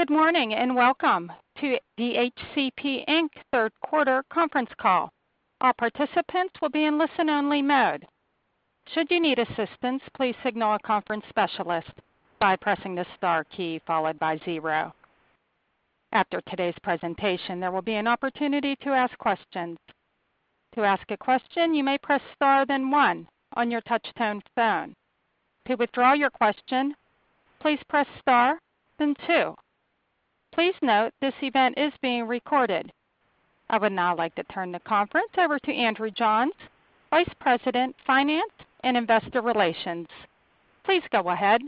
Good morning, welcome to the HCP Inc. third quarter conference call. All participants will be in listen-only mode. Should you need assistance, please signal a conference specialist by pressing the star key followed by zero. After today's presentation, there will be an opportunity to ask questions. To ask a question, you may press star, then one on your touch-tone phone. To withdraw your question, please press star, then two. Please note, this event is being recorded. I would now like to turn the conference over to Andrew Johns, Vice President, Finance and Investor Relations. Please go ahead.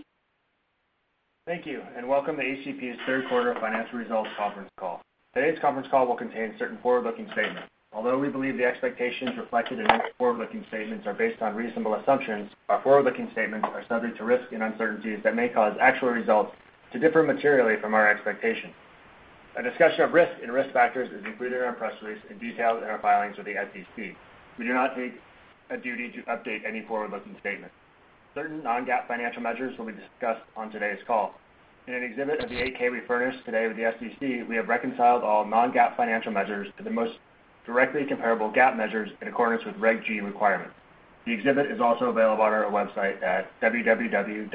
Thank you, welcome to HCP's third quarter financial results conference call. Today's conference call will contain certain forward-looking statements. Although we believe the expectations reflected in these forward-looking statements are based on reasonable assumptions, our forward-looking statements are subject to risks and uncertainties that may cause actual results to differ materially from our expectations. A discussion of risks and risk factors is included in our press release and detailed in our filings with the SEC. We do not take a duty to update any forward-looking statements. Certain non-GAAP financial measures will be discussed on today's call. In an exhibit of the 8-K we furnished today with the SEC, we have reconciled all non-GAAP financial measures to the most directly comparable GAAP measures in accordance with Reg G requirements. The exhibit is also available on our website at www.hcpi.com.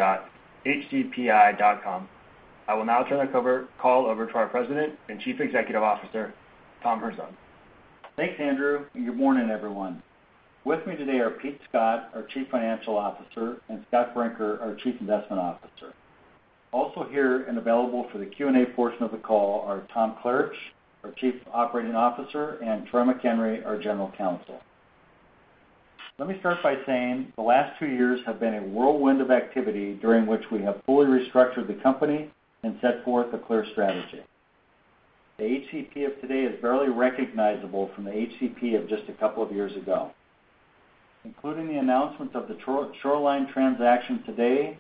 I will now turn the call over to our President and Chief Executive Officer, Tom Herzog. Thanks, Andrew, good morning, everyone. With me today are Pete Scott, our Chief Financial Officer, and Scott Brinker, our Chief Investment Officer. Also here and available for the Q&A portion of the call are Tom Klarich, our Chief Operating Officer, and Troy McHenry, our General Counsel. Let me start by saying the last two years have been a whirlwind of activity during which we have fully restructured the company and set forth a clear strategy. The HCP of today is barely recognizable from the HCP of just a couple of years ago. Including the announcement of the Shoreline transaction today,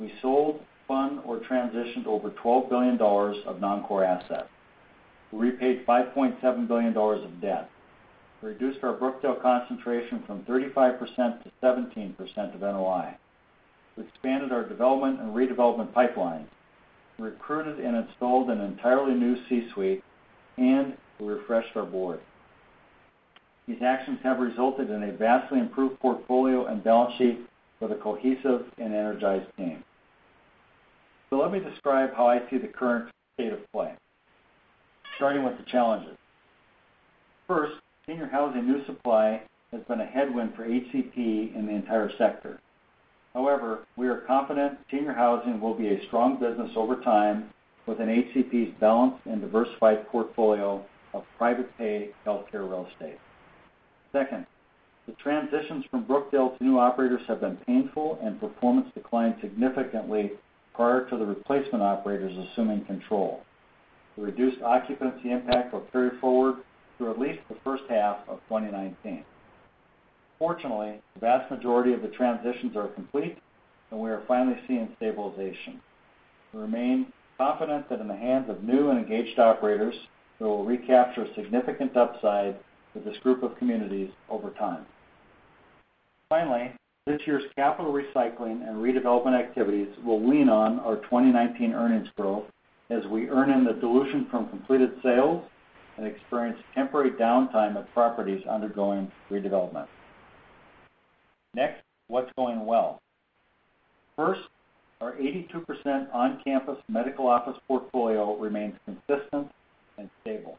we sold, fund or transitioned over $12 billion of non-core assets. We repaid $5.7 billion of debt. We reduced our Brookdale concentration from 35% to 17% of NOI. We expanded our development and redevelopment pipeline. We recruited and installed an entirely new C-suite, and we refreshed our board. These actions have resulted in a vastly improved portfolio and balance sheet with a cohesive and energized team. Let me describe how I see the current state of play, starting with the challenges. First, senior housing new supply has been a headwind for HCP in the entire sector. However, we are confident senior housing will be a strong business over time within HCP's balanced and diversified portfolio of private pay healthcare real estate. Second, the transitions from Brookdale Senior Living to new operators have been painful, and performance declined significantly prior to the replacement operators assuming control. The reduced occupancy impact will carry forward through at least the first half of 2019. Fortunately, the vast majority of the transitions are complete, and we are finally seeing stabilization. We remain confident that in the hands of new and engaged operators, we will recapture significant upside with this group of communities over time. Finally, this year's capital recycling and redevelopment activities will lean on our 2019 earnings growth as we earn in the dilution from completed sales and experience temporary downtime of properties undergoing redevelopment. Next, what's going well. First, our 82% on-campus medical office portfolio remains consistent and stable.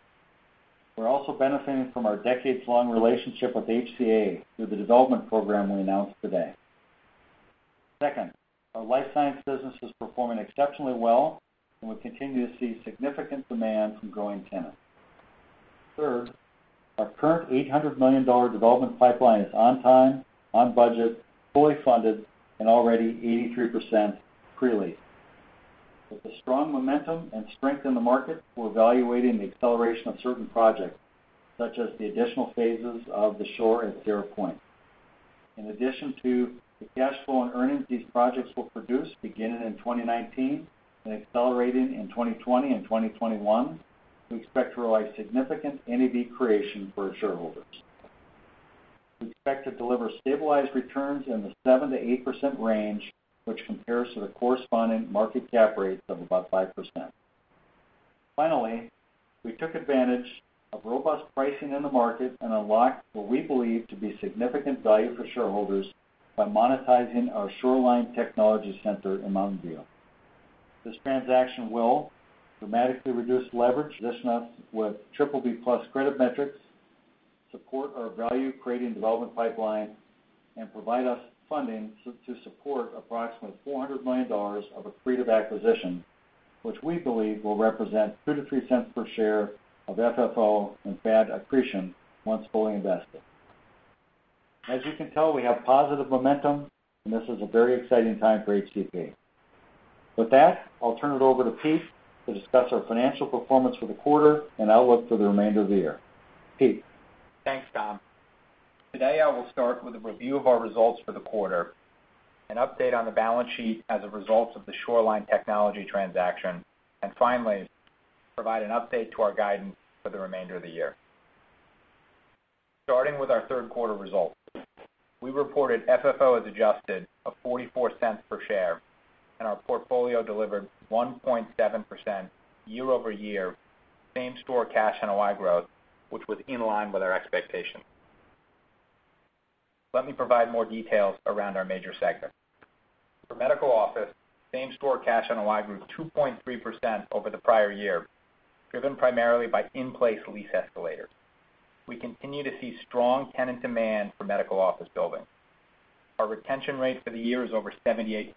We're also benefiting from our decades-long relationship with HCA Healthcare through the development program we announced today. Second, our life science business is performing exceptionally well, and we continue to see significant demand from growing tenants. Third, our current $800 million development pipeline is on time, on budget, fully funded, and already 83% pre-leased. With the strong momentum and strength in the market, we're evaluating the acceleration of certain projects, such as the additional phases of The Shore at Sierra Point. In addition to the cash flow and earnings these projects will produce beginning in 2019 and accelerating in 2020 and 2021, we expect to realize significant NAV creation for our shareholders. We expect to deliver stabilized returns in the 7%-8% range, which compares to the corresponding market cap rates of about 5%. Finally, we took advantage of robust pricing in the market and unlocked what we believe to be significant value for shareholders by monetizing our Shoreline Technology Center in Mountain View. This transaction will dramatically reduce leverage, position us with BBB+ credit metrics, support our value-creating development pipeline, and provide us funding to support approximately $400 million of accretive acquisition, which we believe will represent $0.02-$0.03 per share of FFO and CAD accretion once fully invested. As you can tell, we have positive momentum, and this is a very exciting time for HCP. With that, I'll turn it over to Pete to discuss our financial performance for the quarter and outlook for the remainder of the year. Pete? Thanks, Tom Today, I will start with a review of our results for the quarter, an update on the balance sheet as a result of the Shoreline Technology transaction, and finally, provide an update to our guidance for the remainder of the year. Starting with our third quarter results. We reported FFO as adjusted of $0.44 per share, and our portfolio delivered 1.7% year-over-year same-store cash NOI growth, which was in line with our expectations. Let me provide more details around our major segments. For medical office, same-store cash NOI grew 2.3% over the prior year, driven primarily by in-place lease escalators. We continue to see strong tenant demand for medical office buildings. Our retention rate for the year is over 78%,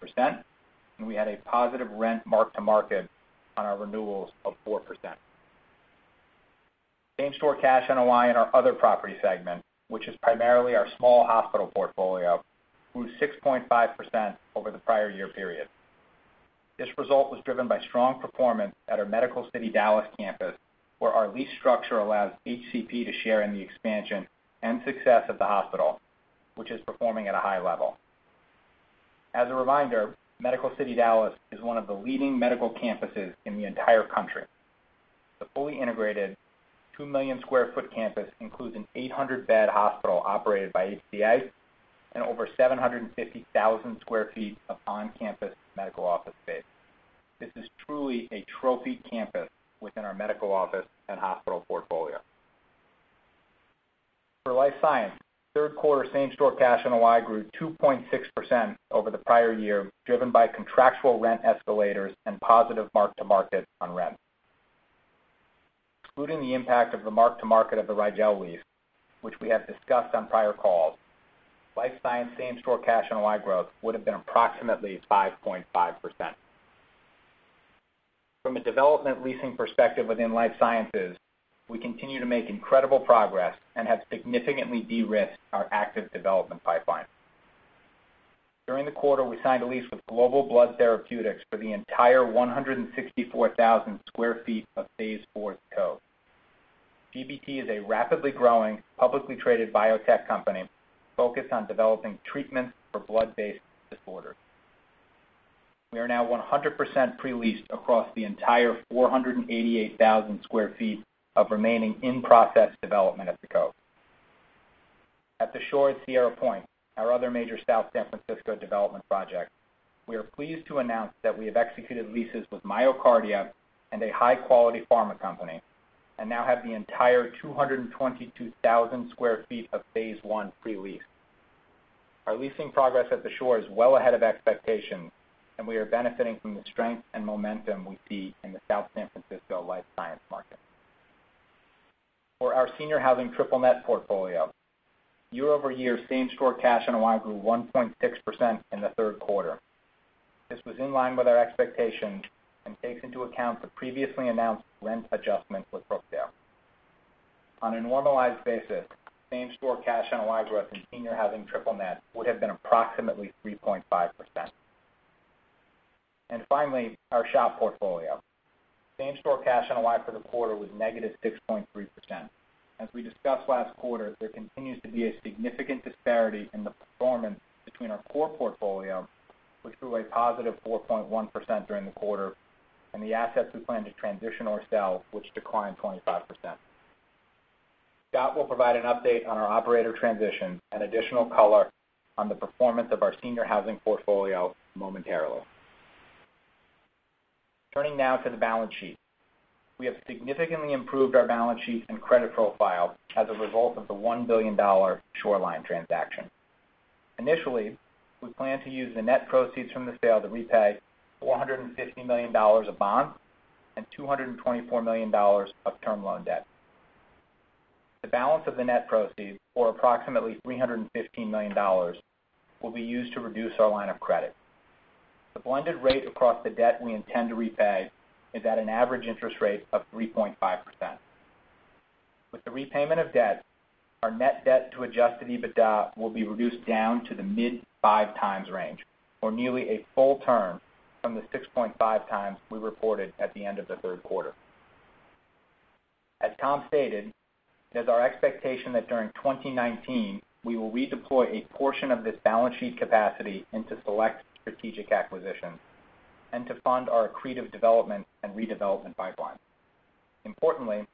and we had a positive rent mark-to-market on our renewals of 4%. Same-store cash NOI in our other property segment, which is primarily our small hospital portfolio, grew 6.5% over the prior year period. This result was driven by strong performance at our Medical City Dallas campus, where our lease structure allows HCP to share in the expansion and success of the hospital, which is performing at a high level. As a reminder, Medical City Dallas is one of the leading medical campuses in the entire country. The fully integrated 2 million square foot campus includes an 800-bed hospital operated by HCA and over 750,000 square feet of on-campus medical office space. This is truly a trophy campus within our medical office and hospital portfolio. For life science, third quarter same-store cash NOI grew 2.6% over the prior year, driven by contractual rent escalators and positive mark-to-market on rent. Excluding the impact of the mark-to-market of the Rigel lease, which we have discussed on prior calls, life science same-store cash NOI growth would've been approximately 5.5%. From a development leasing perspective within life sciences, we continue to make incredible progress and have significantly de-risked our active development pipeline. During the quarter, we signed a lease with Global Blood Therapeutics for the entire 164,000 square feet of phase IV at The Cove. GBT is a rapidly growing, publicly traded biotech company focused on developing treatments for blood-based disorders. We are now 100% pre-leased across the entire 488,000 square feet of remaining in-process development at The Cove. At The Shore at Sierra Point, our other major South San Francisco development project, we are pleased to announce that we have executed leases with MyoKardia and a high-quality pharma company, and now have the entire 222,000 square feet of phase I pre-leased. Our leasing progress at The Shore is well ahead of expectations, and we are benefiting from the strength and momentum we see in the South San Francisco life science market. For our senior housing triple net portfolio, year-over-year same-store cash NOI grew 1.6% in the third quarter. This was in line with our expectations and takes into account the previously announced rent adjustments with Brookdale Senior Living. On a normalized basis, same-store cash NOI growth in senior housing triple net would have been approximately 3.5%. Finally, our SHOP portfolio. Same-store cash NOI for the quarter was -6.3%. As we discussed last quarter, there continues to be a significant disparity in the performance between our core portfolio, which grew a +4.1% during the quarter, and the assets we plan to transition or sell, which declined 25%. Scott M. Brinker will provide an update on our operator transition and additional color on the performance of our senior housing portfolio momentarily. Turning now to the balance sheet. We have significantly improved our balance sheet and credit profile as a result of the $1 billion Shoreline transaction. Initially, we plan to use the net proceeds from the sale to repay $450 million of bonds and $224 million of term loan debt. The balance of the net proceeds, or approximately $315 million, will be used to reduce our line of credit. The blended rate across the debt we intend to repay is at an average interest rate of 3.5%. With the repayment of debt, our net debt to adjusted EBITDA will be reduced down to the mid-5 times range, or nearly a full turn from the 6.5 times we reported at the end of the third quarter. As Thomas M. Herzog stated, it is our expectation that during 2019, we will redeploy a portion of this balance sheet capacity into select strategic acquisitions and to fund our accretive development and redevelopment pipeline. Importantly,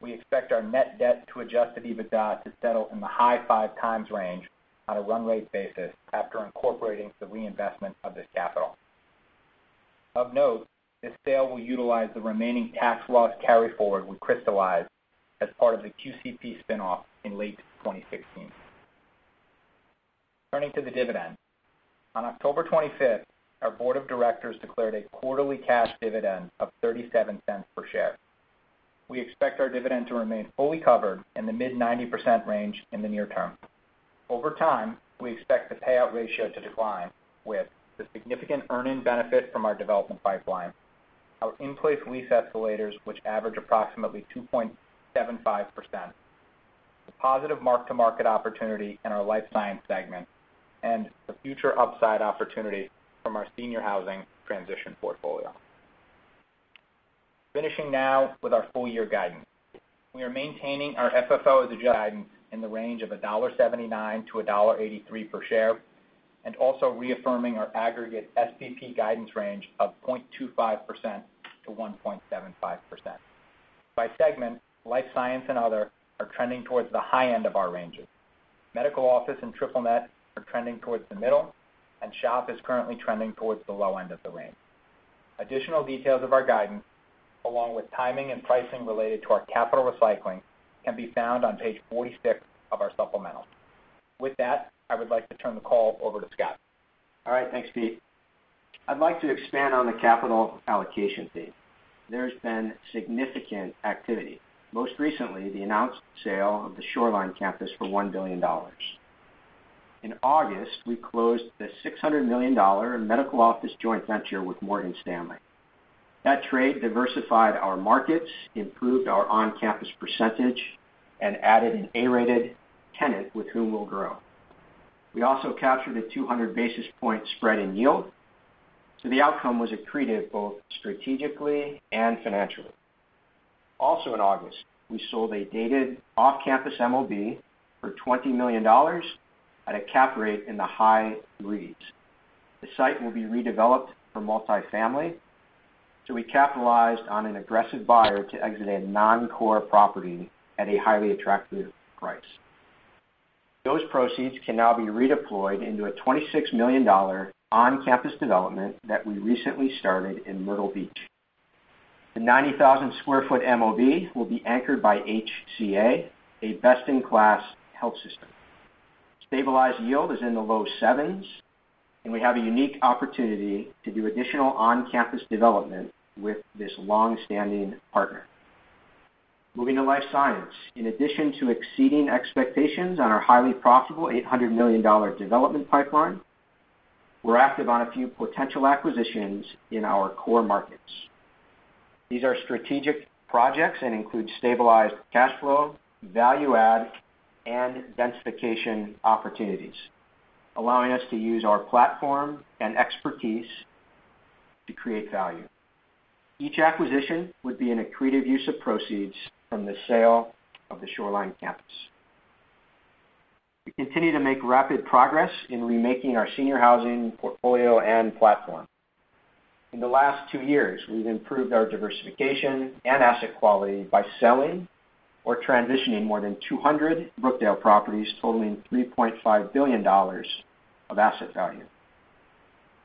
we expect our net debt to adjusted EBITDA to settle in the high 5 times range on a run rate basis after incorporating the reinvestment of this capital. Of note, this sale will utilize the remaining tax loss carryforward we crystallized as part of the QCP spinoff in late 2016. Turning to the dividend. On October 25th, our board of directors declared a quarterly cash dividend of $0.37 per share. We expect our dividend to remain fully covered in the mid-90% range in the near term. Over time, we expect the payout ratio to decline with the significant earning benefit from our development pipeline, our in-place lease escalators, which average approximately 2.75%, the positive mark-to-market opportunity in our life science segment, and the future upside opportunity from our senior housing transition portfolio. Finishing now with our full year guidance. We are maintaining our FFO as adjusted guidance in the range of $1.79-$1.83 per share, also reaffirming our aggregate SPP guidance range of 0.25%-1.75%. By segment, life science and other are trending towards the high end of our ranges. Medical office and triple net are trending towards the middle, and SHOP is currently trending towards the low end of the range. Additional details of our guidance, along with timing and pricing related to our capital recycling, can be found on page 46 of our supplemental. With that, I would like to turn the call over to Scott. All right. Thanks, Pete. I'd like to expand on the capital allocation theme. There's been significant activity. Most recently, the announced sale of the Shoreline campus for $1 billion. In August, we closed the $600 million medical office joint venture with Morgan Stanley. That trade diversified our markets, improved our on-campus percentage, and added an A-rated tenant with whom we'll grow. We also captured a 200-basis point spread in yield. The outcome was accretive both strategically and financially. Also in August, we sold a dated off-campus MOB for $20 million at a cap rate in the high threes. The site will be redeveloped for multi-family, so we capitalized on an aggressive buyer to exit a non-core property at a highly attractive price. Those proceeds can now be redeployed into a $26 million on-campus development that we recently started in Myrtle Beach. The 90,000-square-foot MOB will be anchored by HCA, a best-in-class health system. Stabilized yield is in the low sevens, and we have a unique opportunity to do additional on-campus development with this long-standing partner. Moving to life science. In addition to exceeding expectations on our highly profitable $800 million development pipeline, we're active on a few potential acquisitions in our core markets. These are strategic projects and include stabilized cash flow, value add, and densification opportunities, allowing us to use our platform and expertise to create value. Each acquisition would be an accretive use of proceeds from the sale of the Shoreline campus. We continue to make rapid progress in remaking our senior housing portfolio and platform. In the last two years, we've improved our diversification and asset quality by selling or transitioning more than 200 Brookdale properties totaling $3.5 billion of asset value.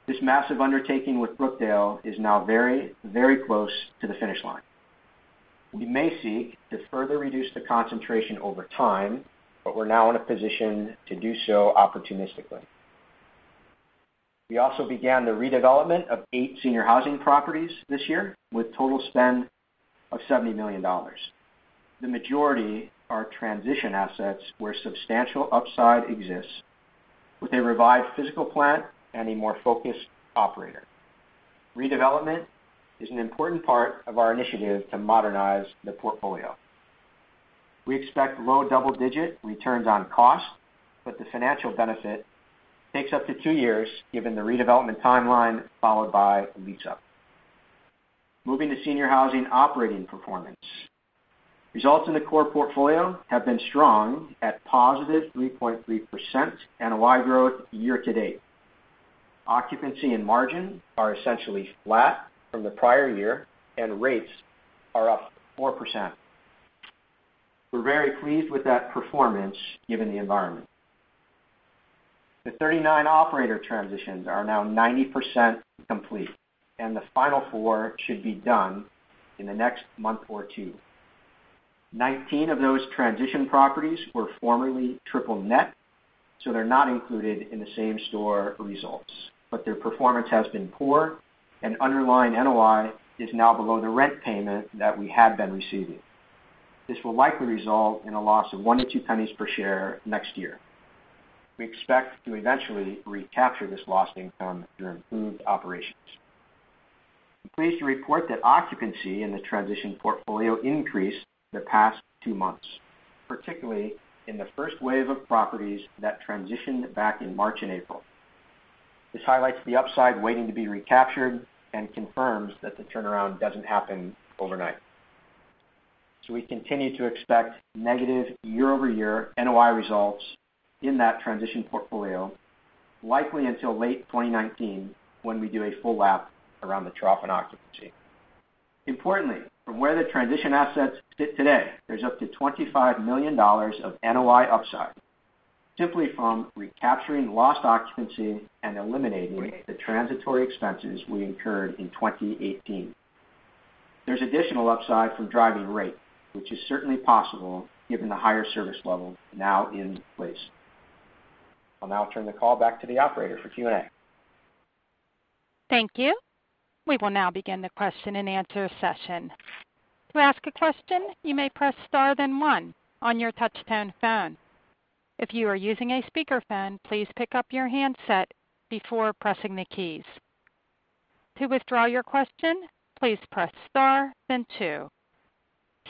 This massive undertaking with Brookdale is now very close to the finish line. We may seek to further reduce the concentration over time, but we're now in a position to do so opportunistically. We also began the redevelopment of eight senior housing properties this year, with total spend of $70 million. The majority are transition assets where substantial upside exists with a revised physical plant and a more focused operator. Redevelopment is an important part of our initiative to modernize the portfolio. We expect low double-digit returns on cost, but the financial benefit takes up to two years given the redevelopment timeline followed by lease-up. Moving to senior housing operating performance. Results in the core portfolio have been strong at positive 3.3% and [a wide growth] year to date. Occupancy and margin are essentially flat from the prior year, and rates are up 4%. We're very pleased with that performance, given the environment. The 39 operator transitions are now 90% complete, and the final four should be done in the next month or two. 19 of those transition properties were formerly triple net, they're not included in the same store results. Their performance has been poor, and underlying NOI is now below the rent payment that we had been receiving. This will likely result in a loss of $0.01-$0.02 per share next year. We expect to eventually recapture this lost income through improved operations. I'm pleased to report that occupancy in the transition portfolio increased the past two months, particularly in the first wave of properties that transitioned back in March and April. This highlights the upside waiting to be recaptured and confirms that the turnaround doesn't happen overnight. We continue to expect negative year-over-year NOI results in that transition portfolio, likely until late 2019, when we do a full lap around the trough in occupancy. Importantly, from where the transition assets sit today, there's up to $25 million of NOI upside, simply from recapturing lost occupancy and eliminating the transitory expenses we incurred in 2018. There's additional upside from driving rate, which is certainly possible given the higher service level now in place. I'll now turn the call back to the operator for Q&A. Thank you. We will now begin the question-and-answer session. To ask a question, you may press star then one on your touch-tone phone. If you are using a speakerphone, please pick up your handset before pressing the keys. To withdraw your question, please press star then two.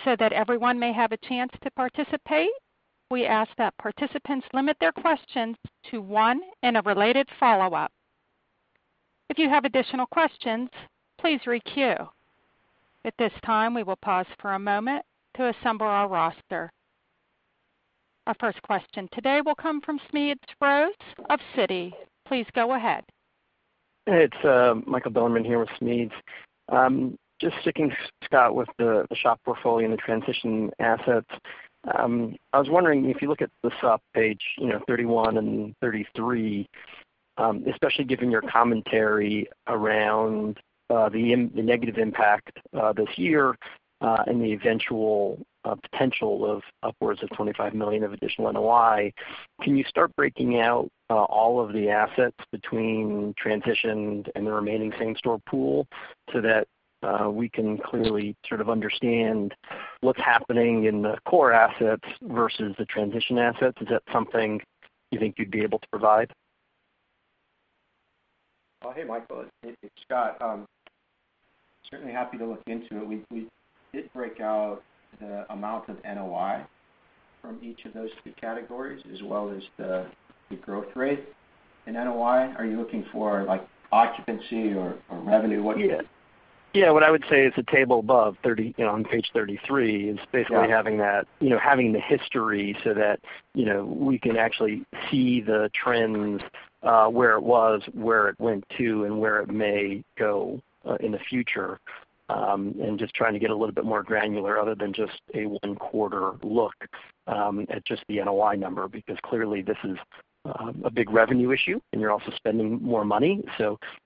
That everyone may have a chance to participate, we ask that participants limit their questions to one and a related follow-up. If you have additional questions, please re-queue. At this time, we will pause for a moment to assemble our roster. Our first question today will come from Smedes Rose of Citi. Please go ahead. It's Michael Bilerman here with Smedes. Just sticking, Scott, with the SHOP portfolio and the transition assets. I was wondering if you look at the Sup page 31 and 33, especially given your commentary around the negative impact this year, and the eventual potential of upwards of $25 million of additional NOI. Can you start breaking out all of the assets between transitioned and the remaining same store pool so that we can clearly sort of understand what's happening in the core assets versus the transition assets? Is that something you think you'd be able to provide? Oh, hey, Michael. It's Scott. Certainly happy to look into it. We did break out the amount of NOI from each of those three categories, as well as the growth rate in NOI. Are you looking for occupancy or revenue? What are you? Yeah. What I would say is the table above on page 33 is basically. Yeah Having the history so that we can actually see the trends, where it was, where it went to, and where it may go in the future. Just trying to get a little bit more granular other than just a one-quarter look at just the NOI number, because clearly this is a big revenue issue and you're also spending more money.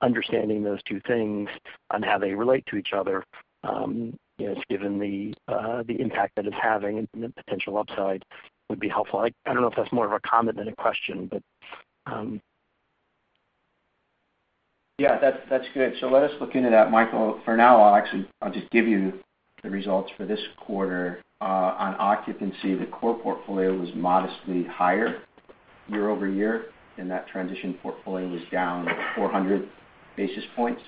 Understanding those two things on how they relate to each other, just given the impact that it's having and the potential upside would be helpful. I don't know if that's more of a comment than a question. Yeah. That's good. Let us look into that, Michael. For now, I'll just give you the results for this quarter. On occupancy, the core portfolio was modestly higher year-over-year, and that transition portfolio was down 400 basis points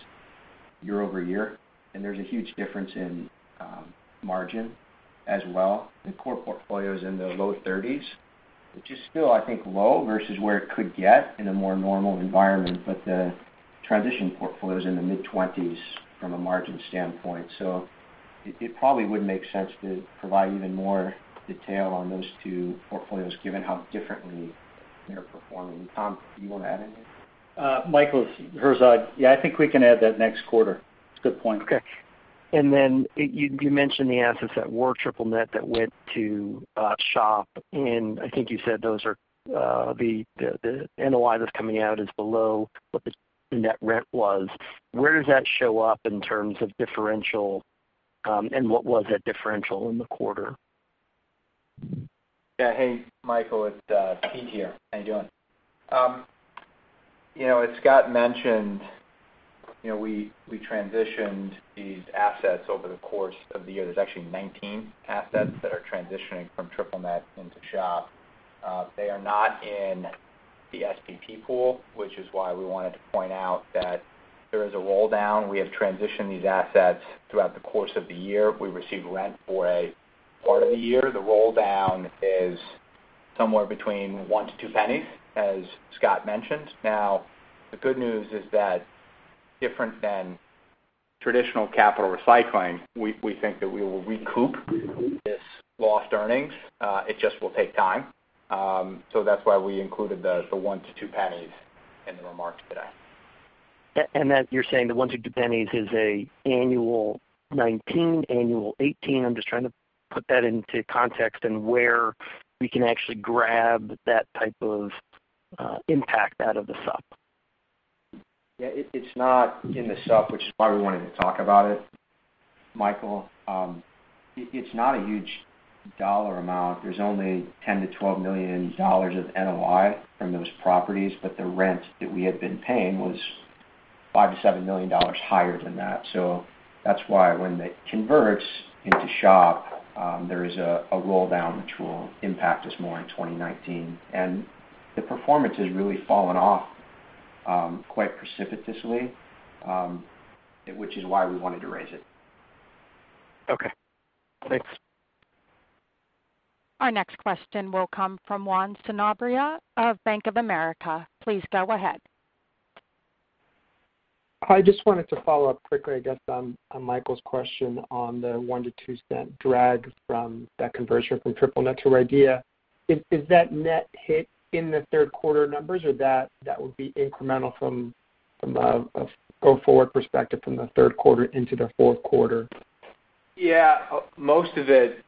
year-over-year. There's a huge difference in margin as well. The core portfolio is in the low 30s, which is still, I think, low versus where it could get in a more normal environment. The transition portfolio is in the mid-20s from a margin standpoint. It probably would make sense to provide even more detail on those two portfolios, given how differently they're performing. Tom, do you want to add anything? Michael, it's Herzog. I think we can add that next quarter. It's a good point. Okay. You mentioned the assets that were triple net that went to SHOP, I think you said the NOI that's coming out is below what the net rent was. Where does that show up in terms of differential? What was that differential in the quarter? Hey, Michael, it's Pete here. How you doing? As Scott mentioned, we transitioned these assets over the course of the year. There's actually 19 assets that are transitioning from triple net into SHOP. They are not in the SPP pool, which is why we wanted to point out that there is a roll-down. We have transitioned these assets throughout the course of the year. We received rent for a part of the year. The roll-down is somewhere between $0.01-$0.02, as Scott mentioned. The good news is that different than traditional capital recycling, we think that we will recoup this lost earnings. It just will take time. That's why we included the $0.01-$0.02 in the remarks today. That you're saying the $0.01-$0.02 is a annual 2019, annual 2018? I'm just trying to put that into context and where we can actually grab that type of impact out of the Sup. Yeah. It's not in the Sup, which is why we wanted to talk about it, Michael. It's not a huge dollar amount. There's only $10 million-$12 million of NOI from those properties, but the rent that we had been paying was $5 million-$7 million higher than that. That's why when it converts into SHOP, there is a roll-down, which will impact us more in 2019. The performance has really fallen off quite precipitously, which is why we wanted to raise it. Okay, thanks. Our next question will come from Juan Sanabria of Bank of America. Please go ahead. I just wanted to follow up quickly, I guess, on Michael's question on the $0.01-$0.02 drag from that conversion from triple net to RIDEA. Is that net hit in the third quarter numbers or that would be incremental from a go-forward perspective from the third quarter into the fourth quarter? Yeah. Most of it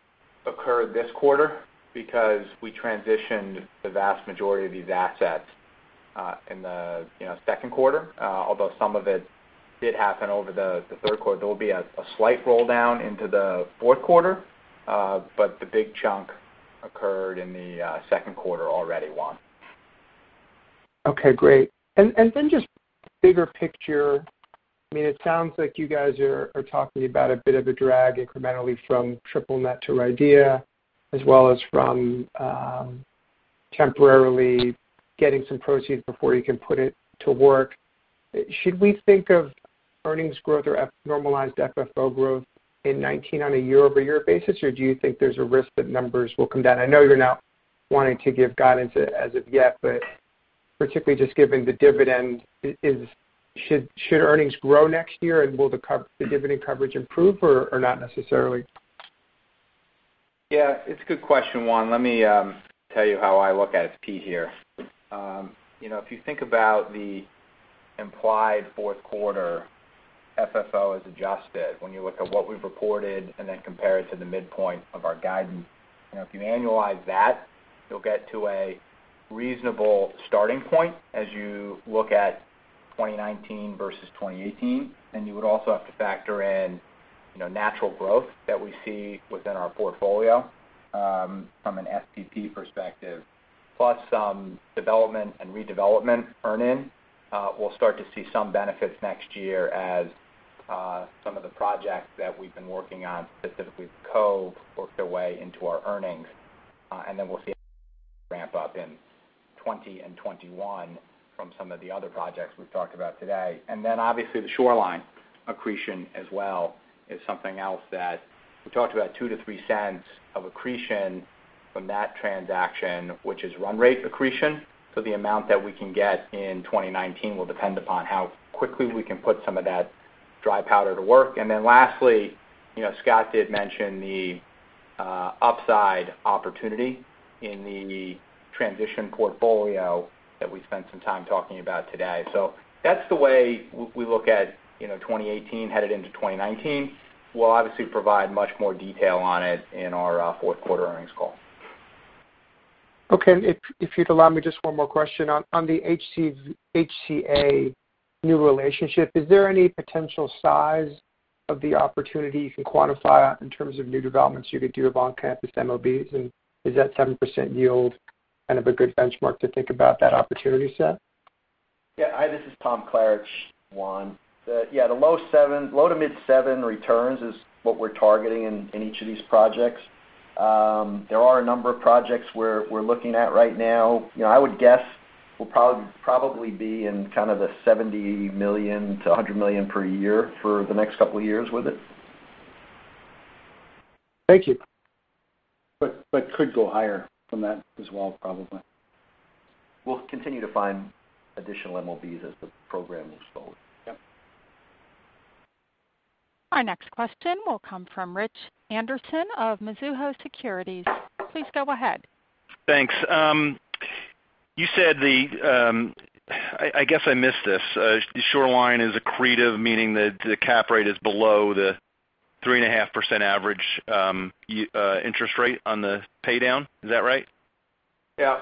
occurred this quarter because we transitioned the vast majority of these assets in the second quarter, although some of it did happen over the third quarter. There will be a slight roll-down into the fourth quarter, but the big chunk occurred in the second quarter already, Juan. Okay, great. Then just bigger picture, it sounds like you guys are talking about a bit of a drag incrementally from triple net to RIDEA, as well as temporarily getting some proceeds before you can put it to work. Should we think of earnings growth or normalized FFO growth in 2019 on a year-over-year basis, or do you think there's a risk that numbers will come down? I know you're not wanting to give guidance as of yet, but particularly just given the dividend, should earnings grow next year and will the dividend coverage improve or not necessarily? Yeah, it's a good question, Juan. Let me tell you how I look at it. It's Pete here. If you think about the implied fourth quarter FFO as adjusted, when you look at what we've reported and then compare it to the midpoint of our guidance, if you annualize that, you'll get to a reasonable starting point as you look at 2019 versus 2018. You would also have to factor in natural growth that we see within our portfolio, from an SPP perspective, plus some development and redevelopment earn-in. We'll start to see some benefits next year as some of the projects that we've been working on, specifically The Cove, work their way into our earnings. Then we'll see it ramp up in 2020 and 2021 from some of the other projects we've talked about today. Then obviously, the Shoreline accretion as well is something else that we talked about $0.02-$0.03 of accretion from that transaction, which is run rate accretion. The amount that we can get in 2019 will depend upon how quickly we can put some of that dry powder to work. Then lastly, Scott did mention the upside opportunity in the transition portfolio that we spent some time talking about today. That's the way we look at 2018 headed into 2019. We'll obviously provide much more detail on it in our fourth-quarter earnings call. Okay. If you'd allow me just one more question. On the HCA new relationship, is there any potential size of the opportunity you can quantify in terms of new developments you could do of on-campus MOBs? Is that 7% yield kind of a good benchmark to think about that opportunity set? Yeah. Hi, this is Tom Klarich, Juan. The low to mid-7 returns is what we're targeting in each of these projects. There are a number of projects we're looking at right now. I would guess we'll probably be in kind of the $70 million-$100 million per year for the next couple of years with it. Thank you. Could go higher from that as well, probably. We'll continue to find additional MOBs as the program moves forward. Yep. Our next question will come from Richard Anderson of Mizuho Securities. Please go ahead. Thanks. You said I guess I missed this. Shoreline is accretive, meaning that the cap rate is below the 3.5% average interest rate on the paydown. Is that right? Yeah.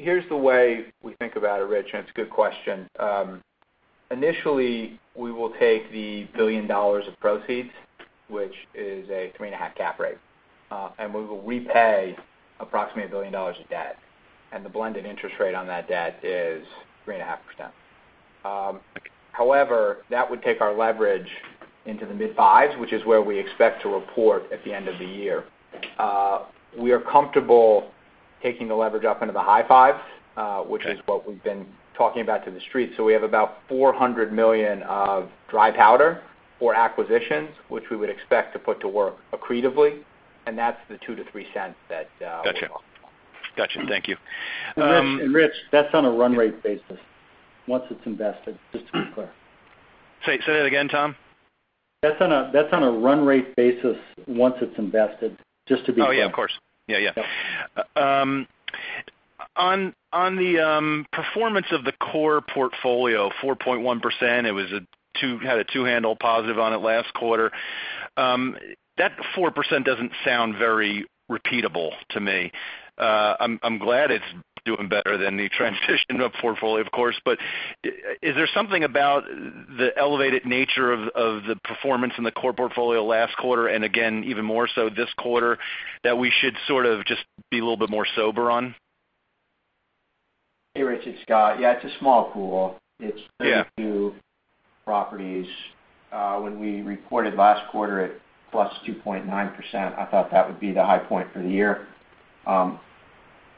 Here's the way we think about it, Rich, and it's a good question. Initially, we will take the $1 billion of proceeds, which is a 3.5 cap rate, and we will repay approximately $1 billion of debt. The blended interest rate on that debt is 3.5%. That would take our leverage into the mid-5s, which is where we expect to report at the end of the year. We are comfortable taking the leverage up into the high 5s, which is what we've been talking about to The Street. We have about $400 million of dry powder for acquisitions, which we would expect to put to work accretively, and that's the $0.02-$0.03 that we were talking about. Got you. Thank you. Rich, that's on a run-rate basis once it's invested, just to be clear. Say that again, Tom? That's on a run-rate basis once it's invested, just to be clear. Oh, yeah, of course. Yeah. Yeah. On the performance of the core portfolio, 4.1%, it had a two-handle positive on it last quarter. That 4% doesn't sound very repeatable to me. I'm glad it's doing better than the transition portfolio, of course, but is there something about the elevated nature of the performance in the core portfolio last quarter, and again, even more so this quarter, that we should sort of just be a little bit more sober on? Hey, Rich. It's Scott. Yeah, it's a small pool. Yeah. It's 32 properties. When we reported last quarter at plus 2.9%, I thought that would be the high point for the year.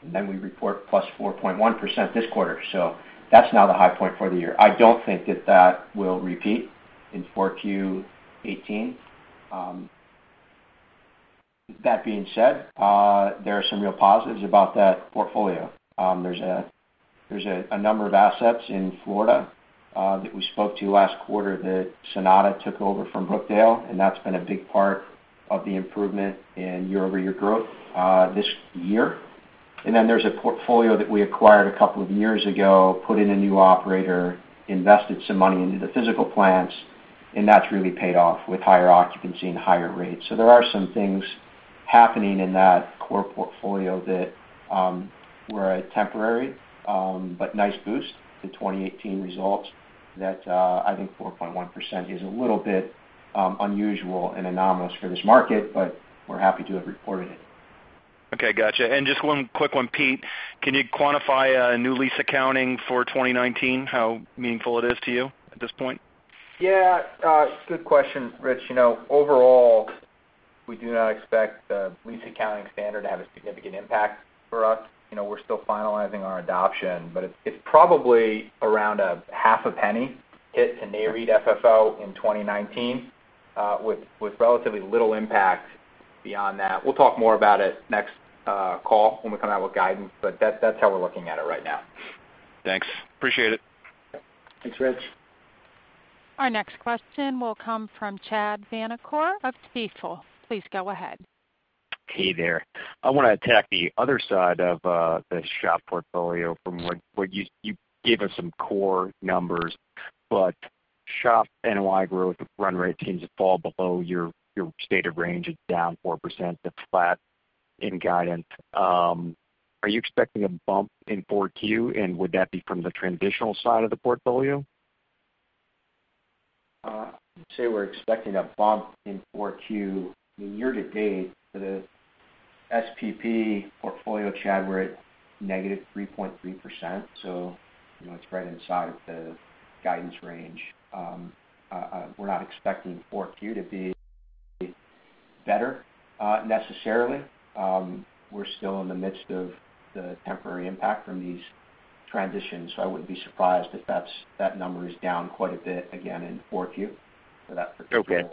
We report plus 4.1% this quarter, so that's now the high point for the year. I don't think that that will repeat in 4Q 2018. That being said, there are some real positives about that portfolio. There's a number of assets in Florida that we spoke to last quarter that Sonata took over from Brookdale, and that's been a big part of the improvement in year-over-year growth this year. There's a portfolio that we acquired a couple of years ago, put in a new operator, invested some money into the physical plants, and that's really paid off with higher occupancy and higher rates. There are some things happening in that core portfolio that were a temporary but nice boost to 2018 results that I think 4.1% is a little bit unusual and anomalous for this market, but we're happy to have reported it. Okay, got you. Just one quick one, Pete. Can you quantify new lease accounting for 2019, how meaningful it is to you at this point? Yeah. Good question, Rich. We do not expect the lease accounting standard to have a significant impact for us. We're still finalizing our adoption, but it's probably around a half a penny hit to Nareit FFO in 2019, with relatively little impact beyond that. We'll talk more about it next call when we come out with guidance, but that's how we're looking at it right now. Thanks. Appreciate it. Thanks, Rich. Our next question will come from Chad Vanacore of Stifel. Please go ahead. Hey there. I want to attack the other side of the SHOP portfolio from what you gave us some core numbers, but SHOP NOI growth run rate seems to fall below your stated range. It's down 4%, it's flat in guidance. Are you expecting a bump in 4Q, and would that be from the transitional side of the portfolio? I'd say we're expecting a bump in 4Q. In year-to-date for the SPP portfolio, Chad, we're at negative 3.3%, so it's right inside of the guidance range. We're not expecting 4Q to be better necessarily. We're still in the midst of the temporary impact from these transitions, so I wouldn't be surprised if that number is down quite a bit again in 4Q for that. Okay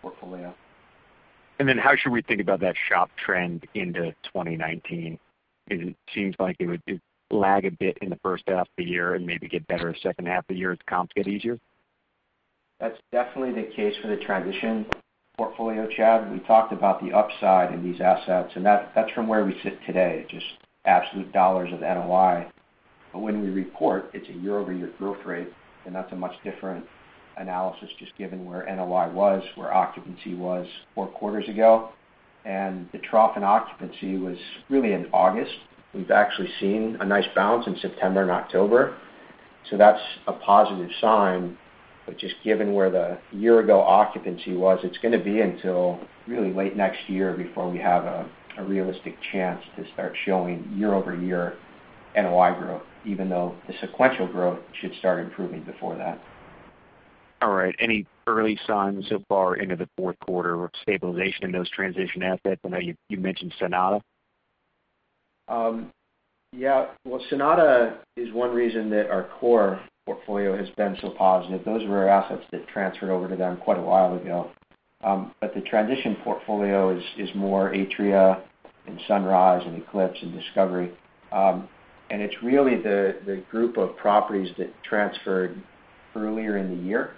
portfolio. How should we think about that SHOP trend into 2019? It seems like it would lag a bit in the first half of the year and maybe get better second half of the year as comps get easier? That's definitely the case for the transition portfolio, Chad. We talked about the upside in these assets, and that's from where we sit today, just absolute dollars of NOI. When we report, it's a year-over-year growth rate, and that's a much different analysis just given where NOI was, where occupancy was four quarters ago. The trough in occupancy was really in August. We've actually seen a nice bounce in September and October. That's a positive sign. Just given where the year-ago occupancy was, it's going to be until really late next year before we have a realistic chance to start showing year-over-year NOI growth, even though the sequential growth should start improving before that. All right. Any early signs so far into the fourth quarter of stabilization in those transition assets? I know you mentioned Sonata. Well, Sonata Senior Living is one reason that our core portfolio has been so positive. Those were assets that transferred over to them quite a while ago. The transition portfolio is more Atria Senior Living and Sunrise Senior Living and Eclipse Senior Living and Discovery Senior Living. It's really the group of properties that transferred earlier in the year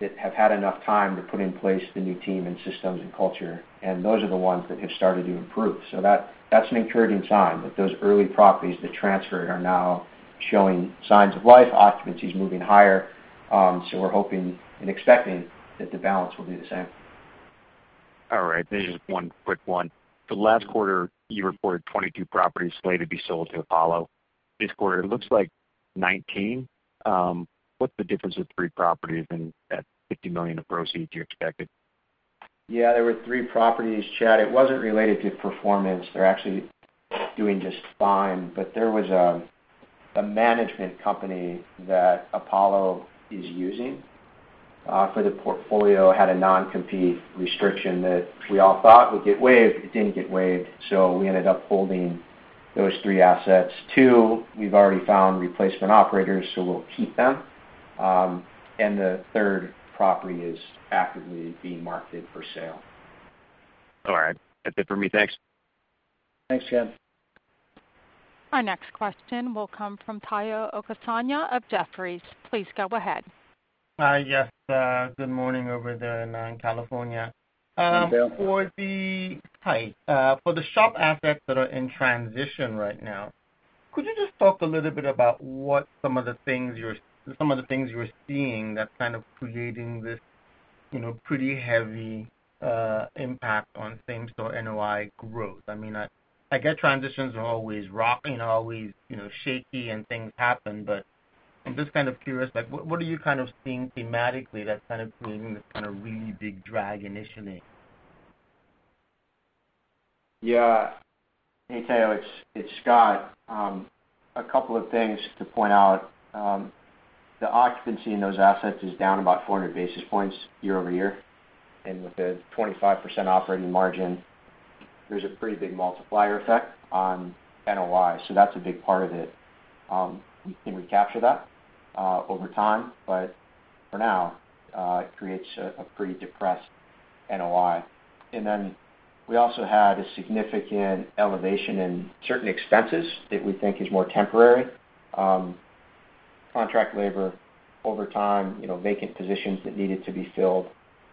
that have had enough time to put in place the new team and systems and culture, and those are the ones that have started to improve. That's an encouraging sign that those early properties that transferred are now showing signs of life. Occupancy's moving higher. We're hoping and expecting that the balance will be the same. All right. Maybe just one quick one. For last quarter, you reported 22 properties slated to be sold to Apollo Global Management. This quarter, it looks like 19. What's the difference of three properties and that $50 million of proceeds you expected? There were three properties, Chad Vanacore. It wasn't related to performance. They're actually doing just fine. There was a management company that Apollo Global Management is using for the portfolio, had a non-compete restriction that we all thought would get waived. It didn't get waived. We ended up holding those three assets. Two, we've already found replacement operators, so we'll keep them. The third property is actively being marketed for sale. All right. That's it for me. Thanks. Thanks, Chad. Our next question will come from Omotayo Okusanya of Jefferies. Please go ahead. Yes. Good morning over there in California. Good day, sir. Hi. For the SHOP assets that are in transition right now, could you just talk a little bit about what some of the things you're seeing that's kind of creating this pretty heavy impact on same-store NOI growth? I get transitions are always rocky and always shaky and things happen, I'm just kind of curious, what are you kind of seeing thematically that's kind of creating this kind of really big drag initially? Yeah. Hey, Tayo, it's Scott. A couple of things to point out. The occupancy in those assets is down about 400 basis points year-over-year, with a 25% operating margin, there's a pretty big multiplier effect on NOI. That's a big part of it. We can recapture that over time, but for now, it creates a pretty depressed NOI. We also had a significant elevation in certain expenses that we think is more temporary. Contract labor, overtime, vacant positions that needed to be filled,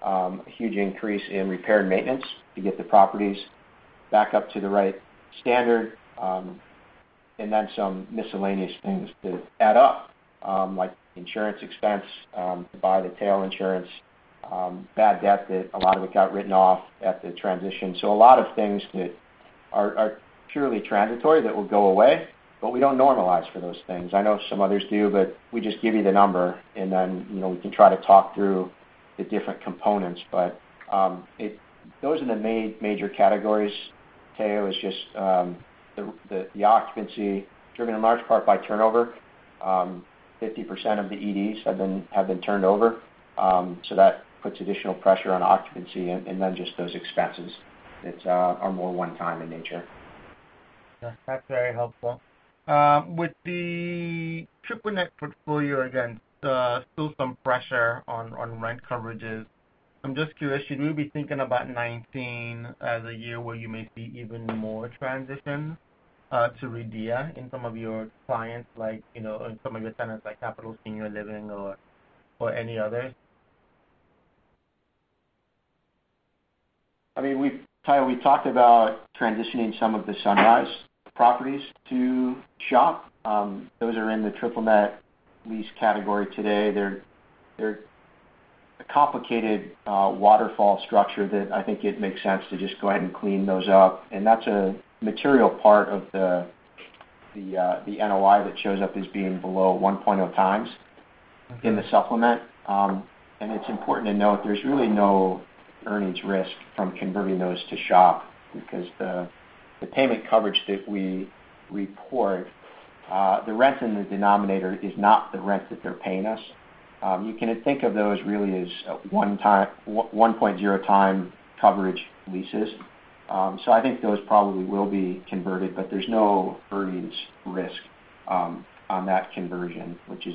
a huge increase in repair and maintenance to get the properties back up to the right standard, and some miscellaneous things that add up, like insurance expense to buy the tail insurance, bad debt that a lot of it got written off at the transition. A lot of things that are purely transitory that will go away, but we don't normalize for those things. I know some others do, but we just give you the number, and we can try to talk through the different components. Those are the major categories, Tayo, it's just the occupancy driven in large part by turnover. 50% of the EDs have been turned over. That puts additional pressure on occupancy, and just those expenses that are more one-time in nature. Yeah. That's very helpful. With the triple net portfolio, again, still some pressure on rent coverages. I'm just curious, should we be thinking about 2019 as a year where you may see even more transitions to RIDEA in some of your clients, like in some of your tenants, like Capital Senior Living or any other? Tayo, we talked about transitioning some of the Sunrise properties to SHOP. Those are in the triple-net lease category today. They're a complicated waterfall structure that I think it makes sense to just go ahead and clean those up. That's a material part of the NOI that shows up as being below 1.0x- Okay in the supplement. It's important to note there's really no earnings risk from converting those to SHOP because the payment coverage that we report, the rent in the denominator is not the rent that they're paying us. You can think of those really as 1.0x coverage leases. I think those probably will be converted, but there's no earnings risk on that conversion, which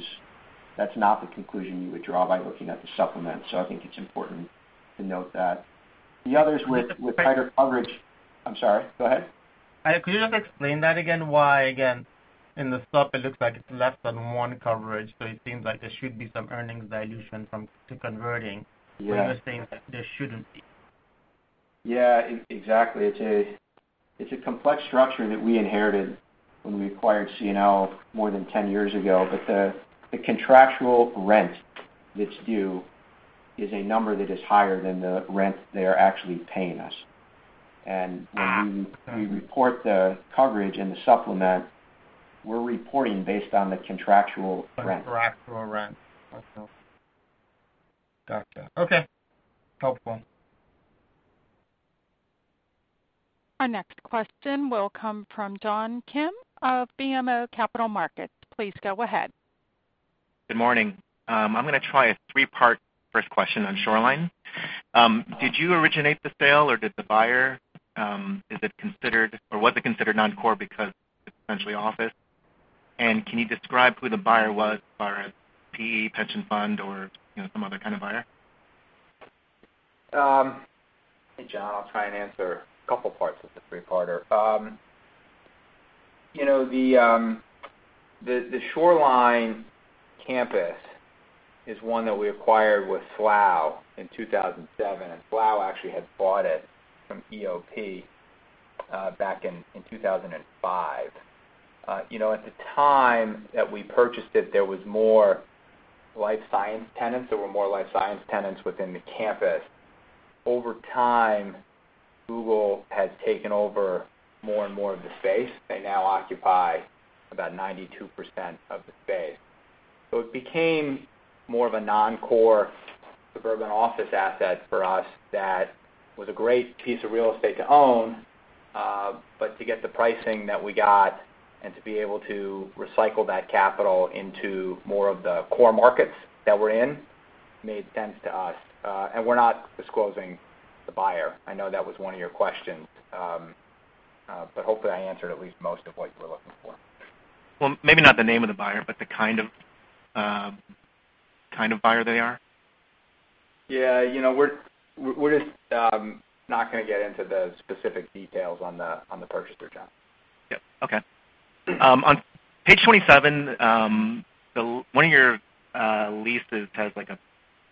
that's not the conclusion you would draw by looking at the supplement. I think it's important to note that. The others with tighter coverage. I'm sorry, go ahead. Could you just explain that again, why, again, in the Sup it looks like it's less than one coverage, it seems like there should be some earnings dilution to converting Yeah You're saying that there shouldn't be. Yeah, exactly. It's a complex structure that we inherited when we acquired CNL more than 10 years ago. The contractual rent that's due is a number that is higher than the rent they are actually paying us. When we report the coverage in the supplement, we're reporting based on the contractual rent. The contractual rent. That helps. Gotcha. Okay. Helpful. Our next question will come from John Kim of BMO Capital Markets. Please go ahead. Good morning. I'm going to try a three-part first question on Shoreline. Did you originate the sale or did the buyer? Was it considered non-core because it's essentially office? Can you describe who the buyer was, far as PE, pension fund or some other kind of buyer? Hey, John. I'll try and answer a couple parts of the three-parter. The Shoreline campus is one that we acquired with Slough in 2007. Slough actually had bought it from EOP back in 2005. At the time that we purchased it, there were more life science tenants within the campus. Over time, Google has taken over more and more of the space. They now occupy about 92% of the space. It became more of a non-core suburban office asset for us that was a great piece of real estate to own. To get the pricing that we got and to be able to recycle that capital into more of the core markets that we're in made sense to us. We're not disclosing the buyer. I know that was one of your questions. Hopefully I answered at least most of what you were looking for. Maybe not the name of the buyer, but the kind of buyer they are. Yeah. We're just not gonna get into the specific details on the purchaser, John. On page 27, one of your leases has like a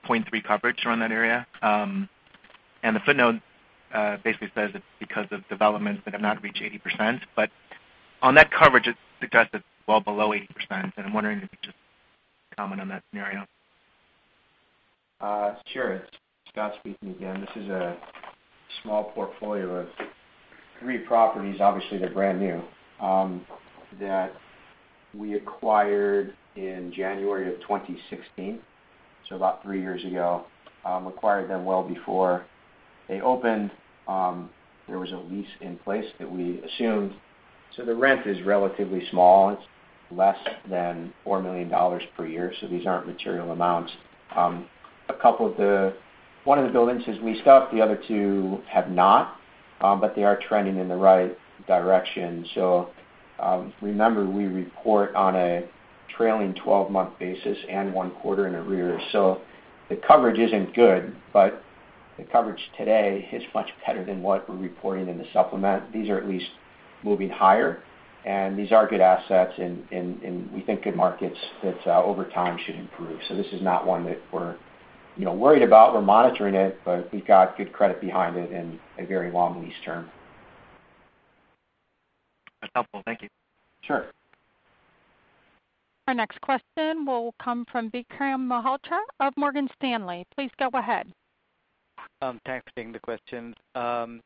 0.3 coverage around that area. The footnote basically says it's because of developments that have not reached 80%, on that coverage, it suggests it's well below 80%, I'm wondering if you could just comment on that scenario. Sure. It's Scott speaking again. This is a small portfolio of three properties, obviously they're brand new, that we acquired in January of 2016, about three years ago. Acquired them well before they opened. There was a lease in place that we assumed. The rent is relatively small. It's less than $4 million per year, these aren't material amounts. One of the buildings has leased up, the other two have not, they are trending in the right direction. Remember, we report on a trailing 12-month basis and one quarter in arrears. The coverage isn't good, the coverage today is much better than what we're reporting in the supplement. These are at least moving higher, these are good assets in, we think, good markets that over time should improve. This is not one that we're worried about. We're monitoring it, we've got good credit behind it a very long lease term. That's helpful. Thank you. Sure. Our next question will come from Vikram Malhotra of Morgan Stanley. Please go ahead. Thanks for taking the questions. On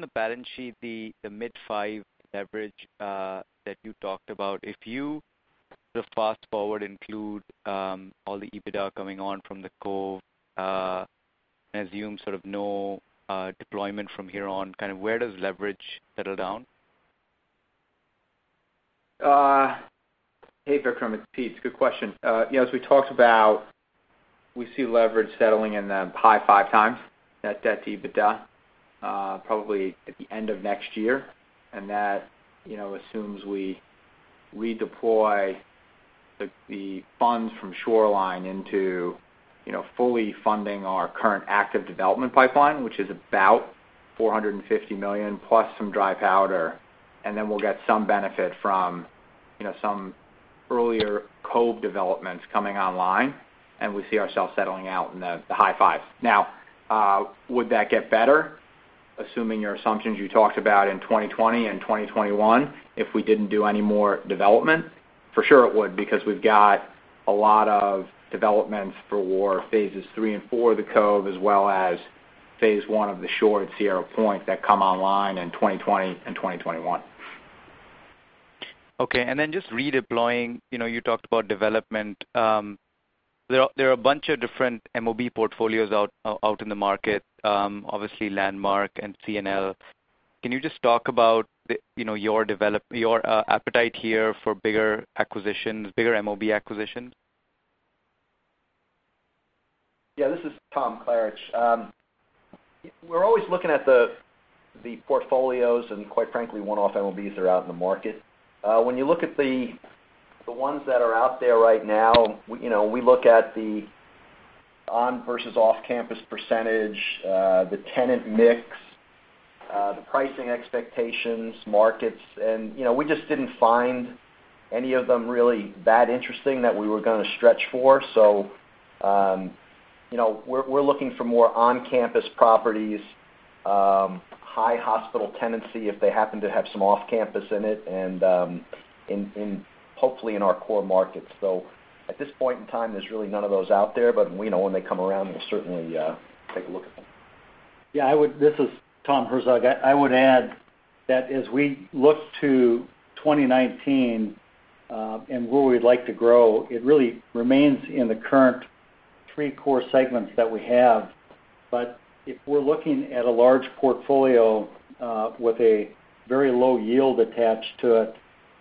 the balance sheet, the mid-5 leverage that you talked about, if you just fast-forward include all the EBITDA coming on from The Cove. I assume sort of no deployment from here on. Where does leverage settle down? Hey, Vikram, it's Pete. It's a good question. As we talked about, we see leverage settling in the high 5 times, net debt to EBITDA, probably at the end of next year, and that assumes we deploy the funds from The Shore into fully funding our current active development pipeline, which is about $450 million plus some dry powder. Then we'll get some benefit from some earlier The Cove developments coming online, and we see ourselves settling out in the high 5s. Would that get better, assuming your assumptions you talked about in 2020 and 2021, if we didn't do any more development? For sure it would, because we've got a lot of developments for phases 3 and 4 of The Cove, as well as phase 1 of The Shore at Sierra Point that come online in 2020 and 2021. Okay. Just redeploying, you talked about development. There are a bunch of different MOB portfolios out in the market, obviously Landmark and CNL. Can you just talk about your appetite here for bigger acquisitions, bigger MOB acquisitions? Yeah, this is Tom Klarich. We're always looking at the portfolios and quite frankly, one-off MOBs that are out in the market. When you look at the ones that are out there right now, we look at the on- versus off-campus percentage, the tenant mix, the pricing expectations, markets. We just didn't find any of them really that interesting that we were going to stretch for. We're looking for more on-campus properties, high hospital tenancy, if they happen to have some off-campus in it. Hopefully in our core markets. At this point in time, there's really none of those out there, but we know when they come around, we'll certainly take a look at them. Yeah. This is Thomas M. Herzog. I would add that as we look to 2019, and where we'd like to grow, it really remains in the current three core segments that we have. If we're looking at a large portfolio with a very low yield attached to it,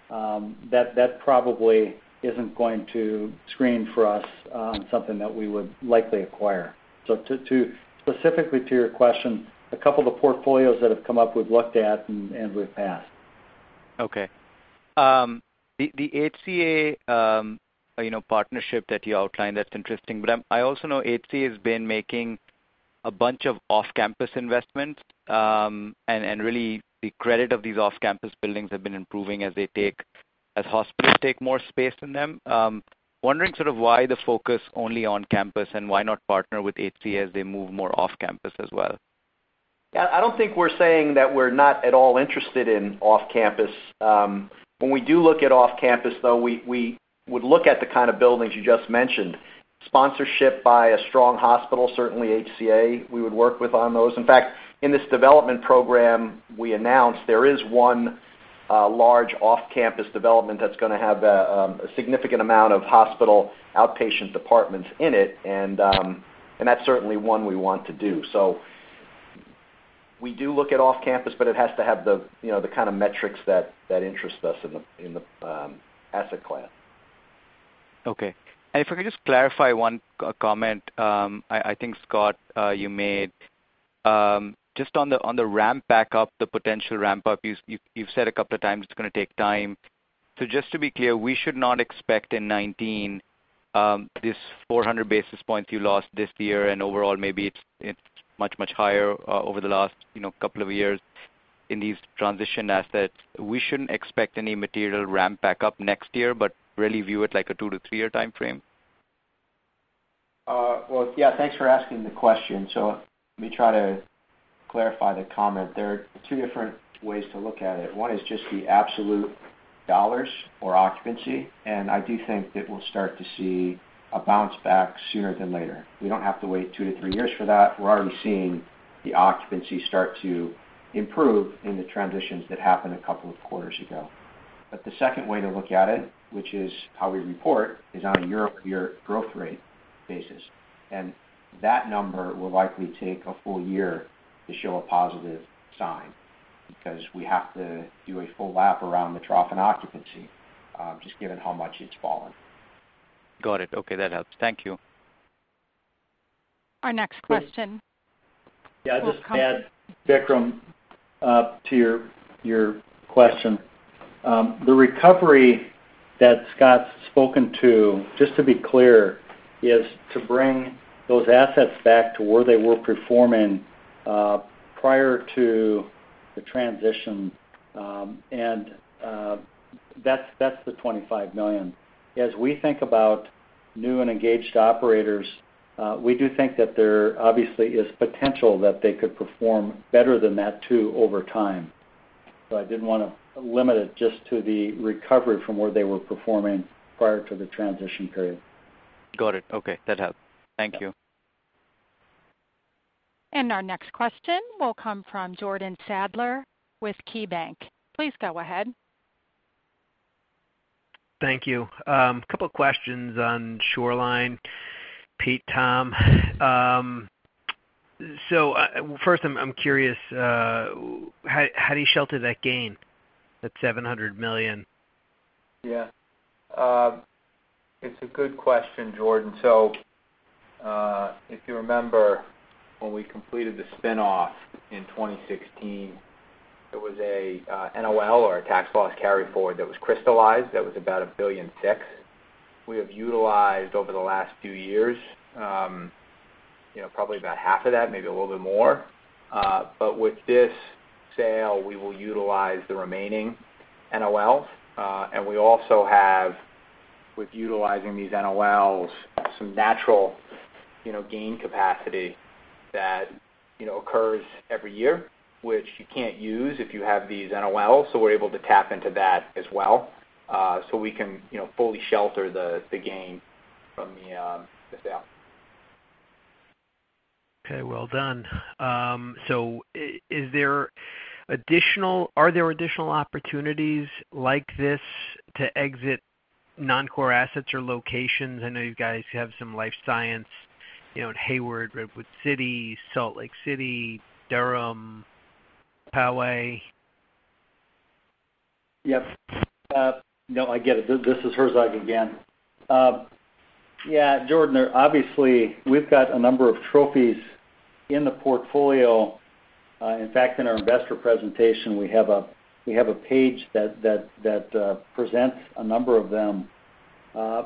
that probably isn't going to screen for us on something that we would likely acquire. Specifically to your question, a couple of the portfolios that have come up, we've looked at and we've passed. Okay. The HCA partnership that you outlined, that's interesting. I also know HCA has been making a bunch of off-campus investments, and really the credit of these off-campus buildings have been improving as hospitals take more space in them. I'm wondering sort of why the focus only on-campus, and why not partner with HCA as they move more off-campus as well? Yeah, I don't think we're saying that we're not at all interested in off-campus. When we do look at off-campus, though, we would look at the kind of buildings you just mentioned. Sponsorship by a strong hospital, certainly HCA, we would work with on those. In fact, in this development program we announced, there is one large off-campus development that's going to have a significant amount of hospital outpatient departments in it, and that's certainly one we want to do. We do look at off-campus, but it has to have the kind of metrics that interest us in the asset class. Okay. If I could just clarify one comment I think, Scott, you made. Just on the ramp back up, the potential ramp up, you've said a couple of times it's going to take time. Just to be clear, we should not expect in 2019, this 400 basis points you lost this year and overall maybe it's much, much higher over the last couple of years in these transition assets. We shouldn't expect any material ramp back up next year, but really view it like a two- to three-year timeframe? Well, yeah. Thanks for asking the question. Let me try to clarify the comment. There are two different ways to look at it. One is just the absolute dollars for occupancy, and I do think that we'll start to see a bounce back sooner than later. We don't have to wait two to three years for that. We're already seeing the occupancy start to improve in the transitions that happened a couple of quarters ago. The second way to look at it, which is how we report, is on a year-over-year growth rate basis. That number will likely take a full year to show a positive sign, because we have to do a full lap around the trough in occupancy, just given how much it's fallen. Got it. Okay. That helps. Thank you. Our next question. Yeah, I'd just add, Vikram, to your question. The recovery that Scott's spoken to, just to be clear, is to bring those assets back to where they were performing prior to the transition, and that's the $25 million. As we think about new and engaged operators, we do think that there obviously is potential that they could perform better than that, too, over time. I didn't want to limit it just to the recovery from where they were performing prior to the transition period. Got it. Okay. That helps. Thank you. Our next question will come from Jordan Sadler with KeyBanc. Please go ahead. Thank you. Couple questions on Shoreline, Pete, Tom. First, I'm curious, how do you shelter that gain, that $700 million? It's a good question, Jordan. If you remember, when we completed the spin-off in 2016, there was a NOL or a tax loss carryforward that was crystallized, that was about $1.6 billion. We have utilized, over the last few years, probably about half of that, maybe a little bit more. With this sale, we will utilize the remaining NOLs. We also have, with utilizing these NOLs, some natural gain capacity that occurs every year, which you can't use if you have these NOLs. We're able to tap into that as well, so we can fully shelter the gain from the sale. Okay, well done. Are there additional opportunities like this to exit non-core assets or locations? I know you guys have some life science, in Hayward, Redwood City, Salt Lake City, Durham, Poway. Yep. No, I get it. This is Herzog again. Jordan, obviously, we've got a number of trophies in the portfolio. In fact, in our investor presentation, we have a page that presents a number of them.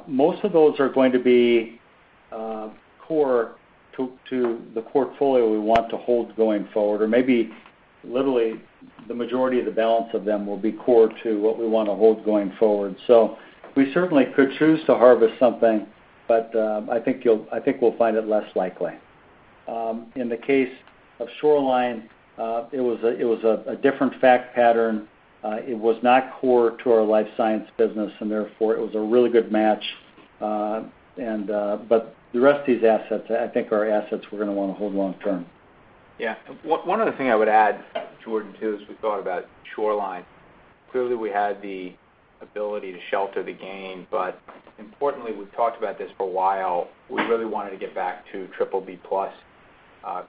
Most of those are going to be core to the portfolio we want to hold going forward. Maybe literally the majority of the balance of them will be core to what we want to hold going forward. We certainly could choose to harvest something, but I think we'll find it less likely. In the case of Shoreline, it was a different fact pattern. It was not core to our life science business, and therefore it was a really good match. The rest of these assets, I think, are assets we're going to want to hold long term. One other thing I would add, Jordan, too, as we thought about Shoreline. Clearly, we had the ability to shelter the gain, but importantly, we've talked about this for a while, we really wanted to get back to BBB+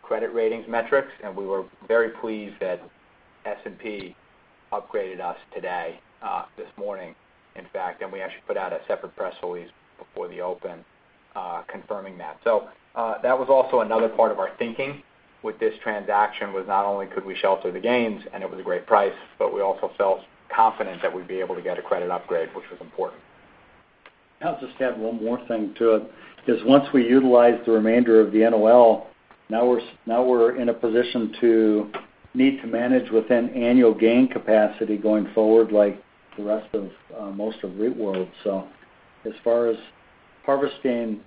credit ratings metrics, and we were very pleased that S&P upgraded us today, this morning, in fact. We actually put out a separate press release before the open confirming that. That was also another part of our thinking with this transaction, was not only could we shelter the gains and it was a great price, but we also felt confident that we'd be able to get a credit upgrade, which was important. I'll just add one more thing to it, is once we utilize the remainder of the NOL, now we're in a position to need to manage within annual gain capacity going forward like the rest of most of REIT world. As far as harvesting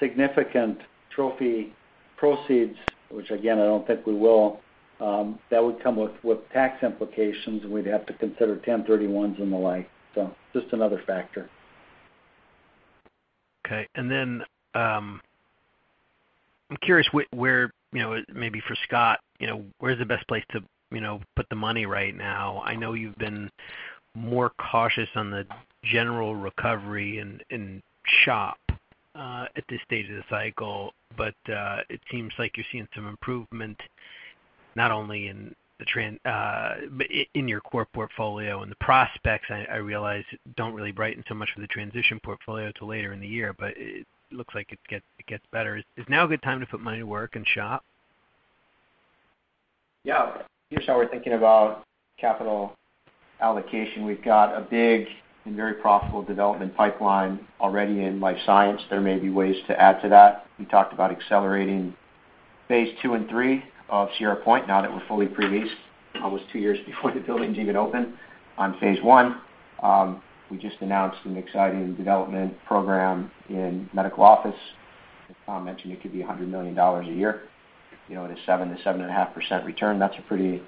significant trophy proceeds, which again, I don't think we will, that would come with tax implications, and we'd have to consider 1031s and the like. Just another factor. Okay, I'm curious where, maybe for Scott, where's the best place to put the money right now? I know you've been more cautious on the general recovery in SHOP at this stage of the cycle, but it seems like you're seeing some improvement, not only in your core portfolio and the prospects, I realize don't really brighten so much for the transition portfolio till later in the year, but it looks like it gets better. Is now a good time to put money to work in SHOP? Yeah. Here's how we're thinking about capital allocation. We've got a big and very profitable development pipeline already in life science. There may be ways to add to that. We talked about accelerating phase 2 and 3 of Sierra Point, now that we're fully pre-leased, almost two years before the buildings even open. On phase 1, we just announced an exciting development program in medical office. As Tom mentioned, it could be $100 million a year. At a 7%-7.5% return, that's a pretty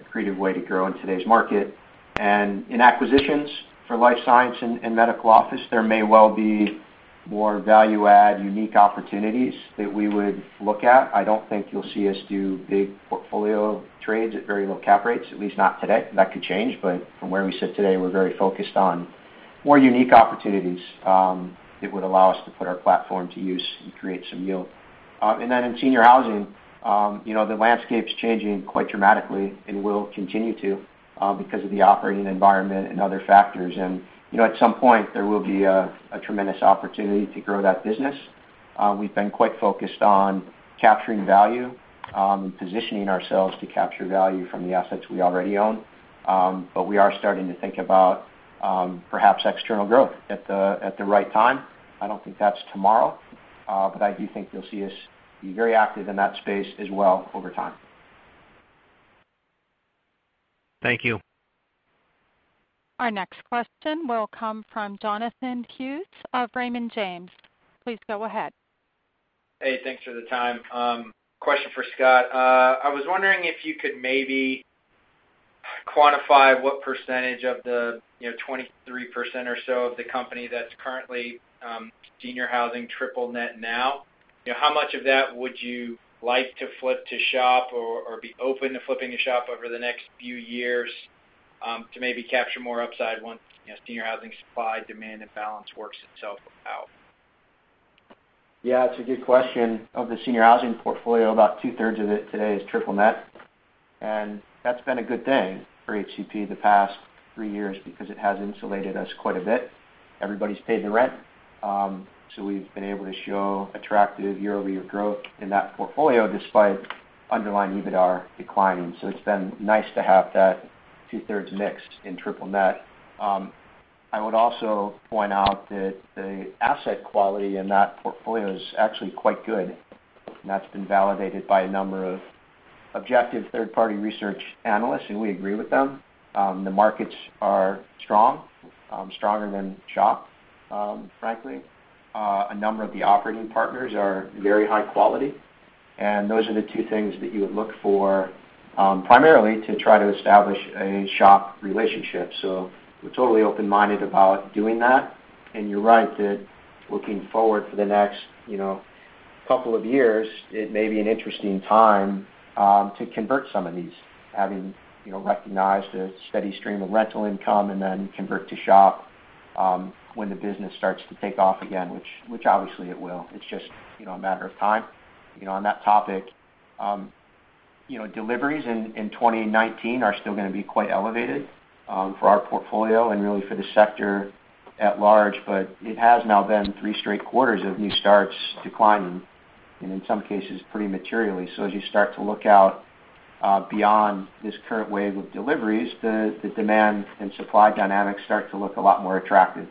accretive way to grow in today's market. In acquisitions for life science and medical office, there may well be more value add, unique opportunities that we would look at. I don't think you'll see us do big portfolio trades at very low cap rates, at least not today. That could change, from where we sit today, we're very focused on more unique opportunities that would allow us to put our platform to use and create some yield. In senior housing, the landscape's changing quite dramatically and will continue to because of the operating environment and other factors. At some point, there will be a tremendous opportunity to grow that business. We've been quite focused on capturing value and positioning ourselves to capture value from the assets we already own. We are starting to think about perhaps external growth at the right time. I don't think that's tomorrow, I do think you'll see us be very active in that space as well over time. Thank you. Our next question will come from Jonathan Hughes of Raymond James. Please go ahead. Hey, thanks for the time. Question for Scott. I was wondering if you could maybe quantify what percentage of the 23% or so of the company that's currently senior housing triple net now, how much of that would you like to flip to SHOP or be open to flipping to SHOP over the next few years, to maybe capture more upside once senior housing supply, demand, and balance works itself out? Yeah, it's a good question. Of the senior housing portfolio, about two-thirds of it today is triple net. That's been a good thing for HCP the past three years because it has insulated us quite a bit. Everybody's paid the rent, we've been able to show attractive year-over-year growth in that portfolio despite underlying EBITDAR declining. It's been nice to have that two-thirds mixed in triple net. I would also point out that the asset quality in that portfolio is actually quite good. That's been validated by a number of objective third-party research analysts. We agree with them. The markets are strong, stronger than SHOP, frankly. A number of the operating partners are very high quality. Those are the two things that you would look for, primarily to try to establish a SHOP relationship. We're totally open-minded about doing that. You're right that looking forward for the next couple of years, it may be an interesting time to convert some of these, having recognized a steady stream of rental income and then convert to SHOP, when the business starts to take off again, which obviously it will. It's just a matter of time. On that topic, deliveries in 2019 are still going to be quite elevated for our portfolio and really for the sector at large. It has now been three straight quarters of new starts declining. In some cases, pretty materially. As you start to look out beyond this current wave of deliveries, the demand and supply dynamics start to look a lot more attractive,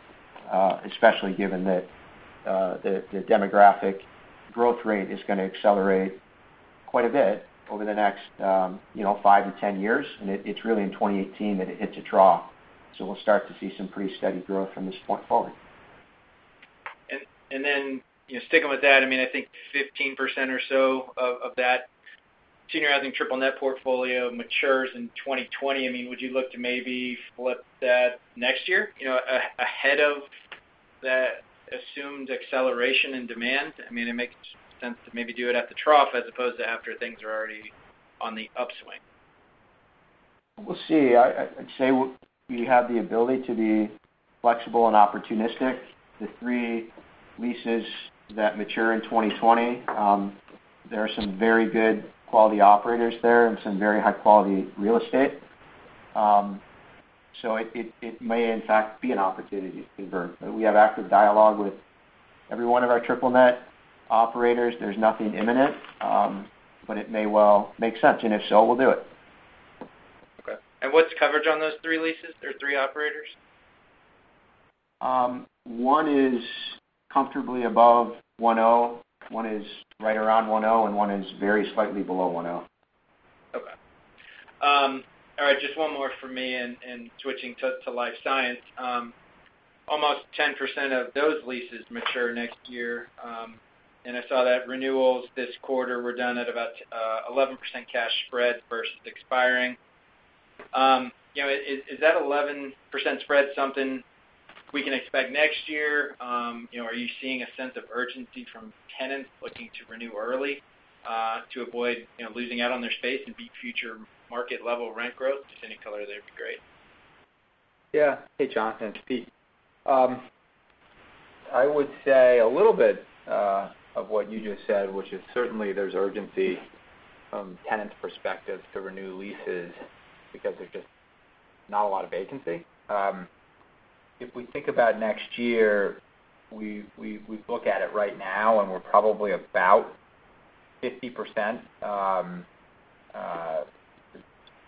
especially given that the demographic growth rate is going to accelerate quite a bit over the next five to 10 years. It's really in 2018 that it hit a trough. We'll start to see some pretty steady growth from this point forward. Sticking with that, I think 15% or so of that senior housing triple net portfolio matures in 2020. Would you look to maybe flip that next year, ahead of that assumed acceleration in demand? It makes sense to maybe do it at the trough as opposed to after things are already on the upswing. We'll see. I'd say we have the ability to be flexible and opportunistic. The three leases that mature in 2020, there are some very good quality operators there and some very high-quality real estate. It may in fact be an opportunity to convert. We have active dialogue with every one of our triple net operators. There's nothing imminent, but it may well make sense, and if so, we'll do it. Okay. What's the coverage on those three leases or three operators? One is comfortably above 1.0, one is right around 1.0, and one is very slightly below 1.0. Okay. All right, just one more from me and switching to life science. Almost 10% of those leases mature next year, and I saw that renewals this quarter were done at about 11% cash spread versus expiring. Is that 11% spread something we can expect next year? Are you seeing a sense of urgency from tenants looking to renew early, to avoid losing out on their space and beat future market-level rent growth? Just any color there would be great. Yeah. Hey, Jonathan, it's Pete. I would say a little bit of what you just said, which is certainly there's urgency from tenants' perspectives to renew leases because there's just not a lot of vacancy. If we think about next year, we look at it right now, and we're probably about 50%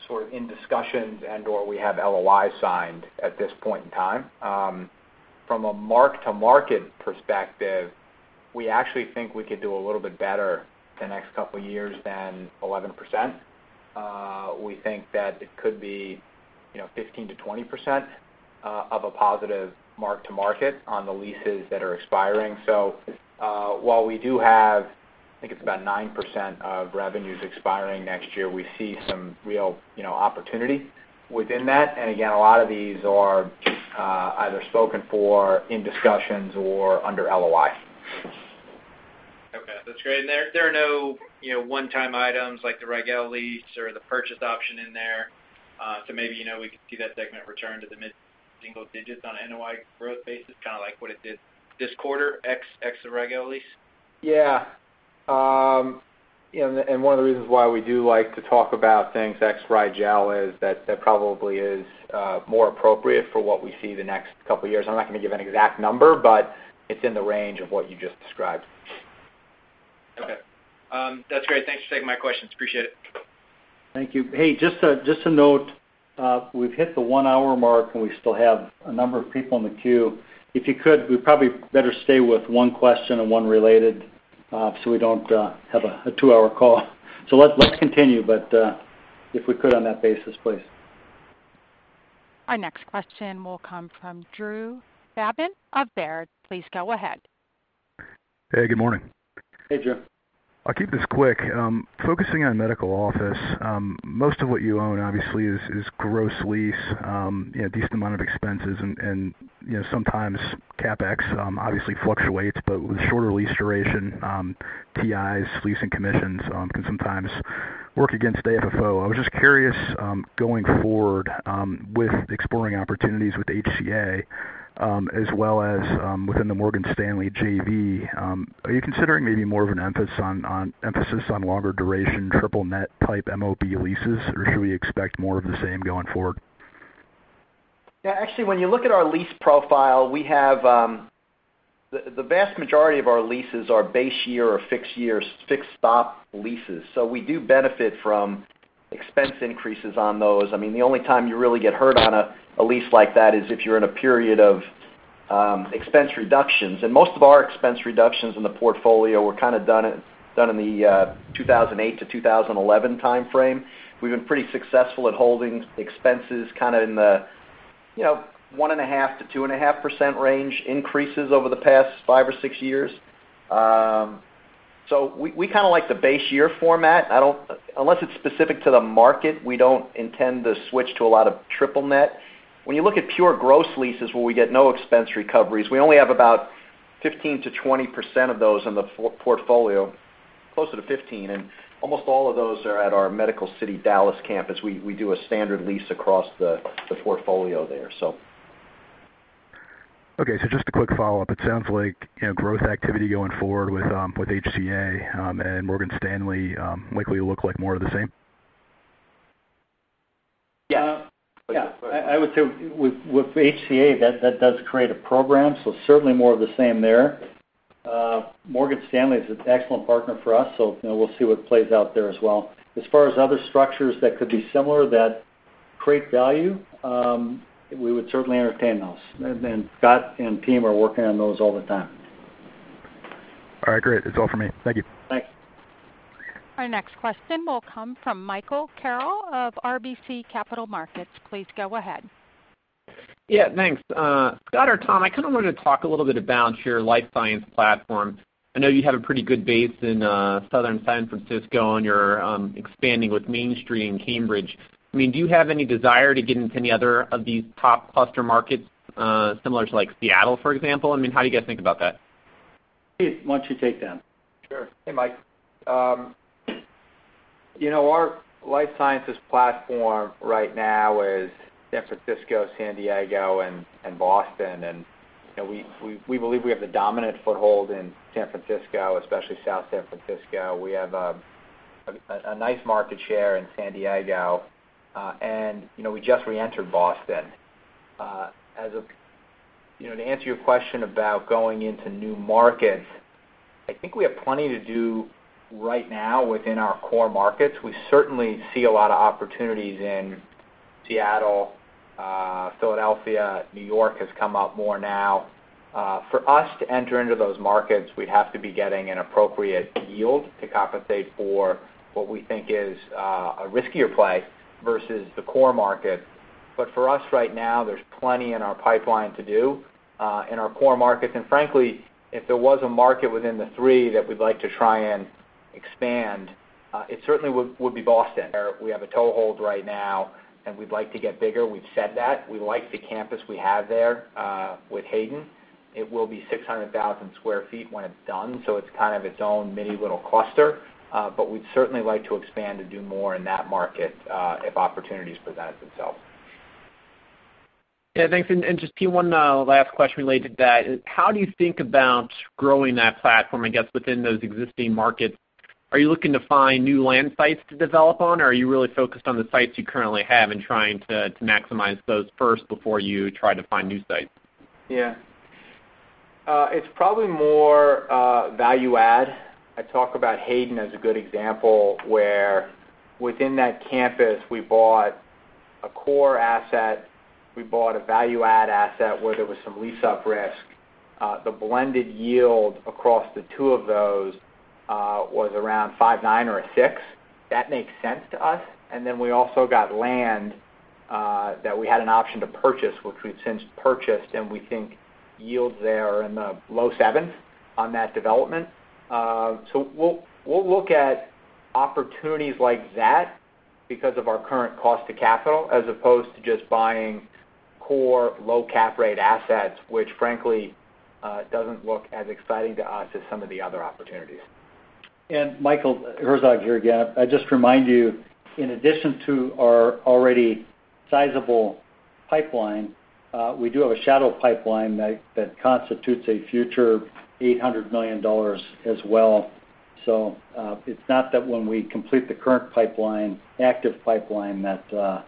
sort of in discussions and/or we have LOI signed at this point in time. From a mark-to-market perspective, we actually think we could do a little bit better the next couple of years than 11%. We think that it could be 15%-20% of a positive mark-to-market on the leases that are expiring. While we do have, I think it's about 9% of revenues expiring next year, we see some real opportunity within that. Again, a lot of these are either spoken for, in discussions, or under LOI. Okay, that's great. There are no one-time items like the Rigel lease or the purchase option in there, maybe we could see that segment return to the mid-single digits on an NOI growth basis, kind of like what it did this quarter ex the Rigel lease? Yeah. One of the reasons why we do like to talk about things ex Rigel is that that probably is more appropriate for what we see the next couple of years. I'm not going to give an exact number, but it's in the range of what you just described. Okay. That's great. Thanks for taking my questions. Appreciate it. Thank you. Hey, just a note. We've hit the one-hour mark. We still have a number of people in the queue. If you could, we probably better stay with one question and one related, so we don't have a two-hour call. Let's continue, but if we could on that basis, please. Our next question will come from Drew Babin of Baird. Please go ahead. Hey, good morning. Hey, Drew. I'll keep this quick. Focusing on medical office, most of what you own, obviously, is gross lease, decent amount of expenses, and sometimes CapEx obviously fluctuates. With shorter lease duration, TIs, leasing commissions can sometimes work against AFFO. I was just curious, going forward, with exploring opportunities with HCA, as well as within the Morgan Stanley JV, are you considering maybe more of an emphasis on longer duration, triple-net type MOB leases, or should we expect more of the same going forward? Yeah, actually, when you look at our lease profile, the vast majority of our leases are base year or fixed year, fixed stop leases. We do benefit from expense increases on those. The only time you really get hurt on a lease like that is if you're in a period of expense reductions. Most of our expense reductions in the portfolio were done in the 2008-2011 timeframe. We've been pretty successful at holding expenses in the 1.5%-2.5% range increases over the past five or six years. We like the base year format. Unless it's specific to the market, we don't intend to switch to a lot of triple-net. When you look at pure gross leases where we get no expense recoveries, we only have about 15%-20% of those in the portfolio, closer to 15%, and almost all of those are at our Medical City Dallas campus. We do a standard lease across the portfolio there. Okay, just a quick follow-up. It sounds like growth activity going forward with HCA and Morgan Stanley will likely look like more of the same? Yes. I would say with HCA, that does create a program, certainly more of the same there. Morgan Stanley is an excellent partner for us, we'll see what plays out there as well. As far as other structures that could be similar that create value, we would certainly entertain those, Scott and team are working on those all the time. All right, great. That's all for me. Thank you. Thanks. Our next question will come from Michael Carroll of RBC Capital Markets. Please go ahead. Yeah, thanks. Scott or Tom, I wanted to talk a little bit about your life science platform. I know you have a pretty good base in Southern San Francisco, and you're expanding with Main Street in Cambridge. Do you have any desire to get into any other of these top cluster markets, similar to Seattle, for example? How do you guys think about that? Keith, why don't you take that? Sure. Hey, Mike. Our life sciences platform right now is San Francisco, San Diego, and Boston. We believe we have the dominant foothold in San Francisco, especially South San Francisco. We have a nice market share in San Diego, and we just reentered Boston. To answer your question about going into new markets, I think we have plenty to do right now within our core markets. We certainly see a lot of opportunities in Seattle. Philadelphia, New York has come up more now. For us to enter into those markets, we'd have to be getting an appropriate yield to compensate for what we think is a riskier play versus the core market. For us right now, there's plenty in our pipeline to do in our core markets. Frankly, if there was a market within the three that we'd like to try and expand, it certainly would be Boston, where we have a toehold right now, and we'd like to get bigger. We've said that. We like the campus we have there with Hayden. It will be 600,000 square feet when it's done, so it's kind of its own mini little cluster. We'd certainly like to expand and do more in that market if opportunities presented themselves. Thanks. Just one last question related to that. How do you think about growing that platform, I guess, within those existing markets? Are you looking to find new land sites to develop on, or are you really focused on the sites you currently have and trying to maximize those first before you try to find new sites? It's probably more value add. I talk about Hayden as a good example, where within that campus, we bought a core asset, we bought a value-add asset where there was some lease-up risk. The blended yield across the two of those was around 5.9 or a 6. That makes sense to us. Then we also got land that we had an option to purchase, which we've since purchased, and we think yields there are in the low 7s on that development. We'll look at opportunities like that because of our current cost to capital, as opposed to just buying core low cap rate assets, which frankly, doesn't look as exciting to us as some of the other opportunities. Michael, Herzog here again. I'd just remind you, in addition to our already sizable pipeline, we do have a shadow pipeline that constitutes a future $800 million as well. It's not that when we complete the current active pipeline that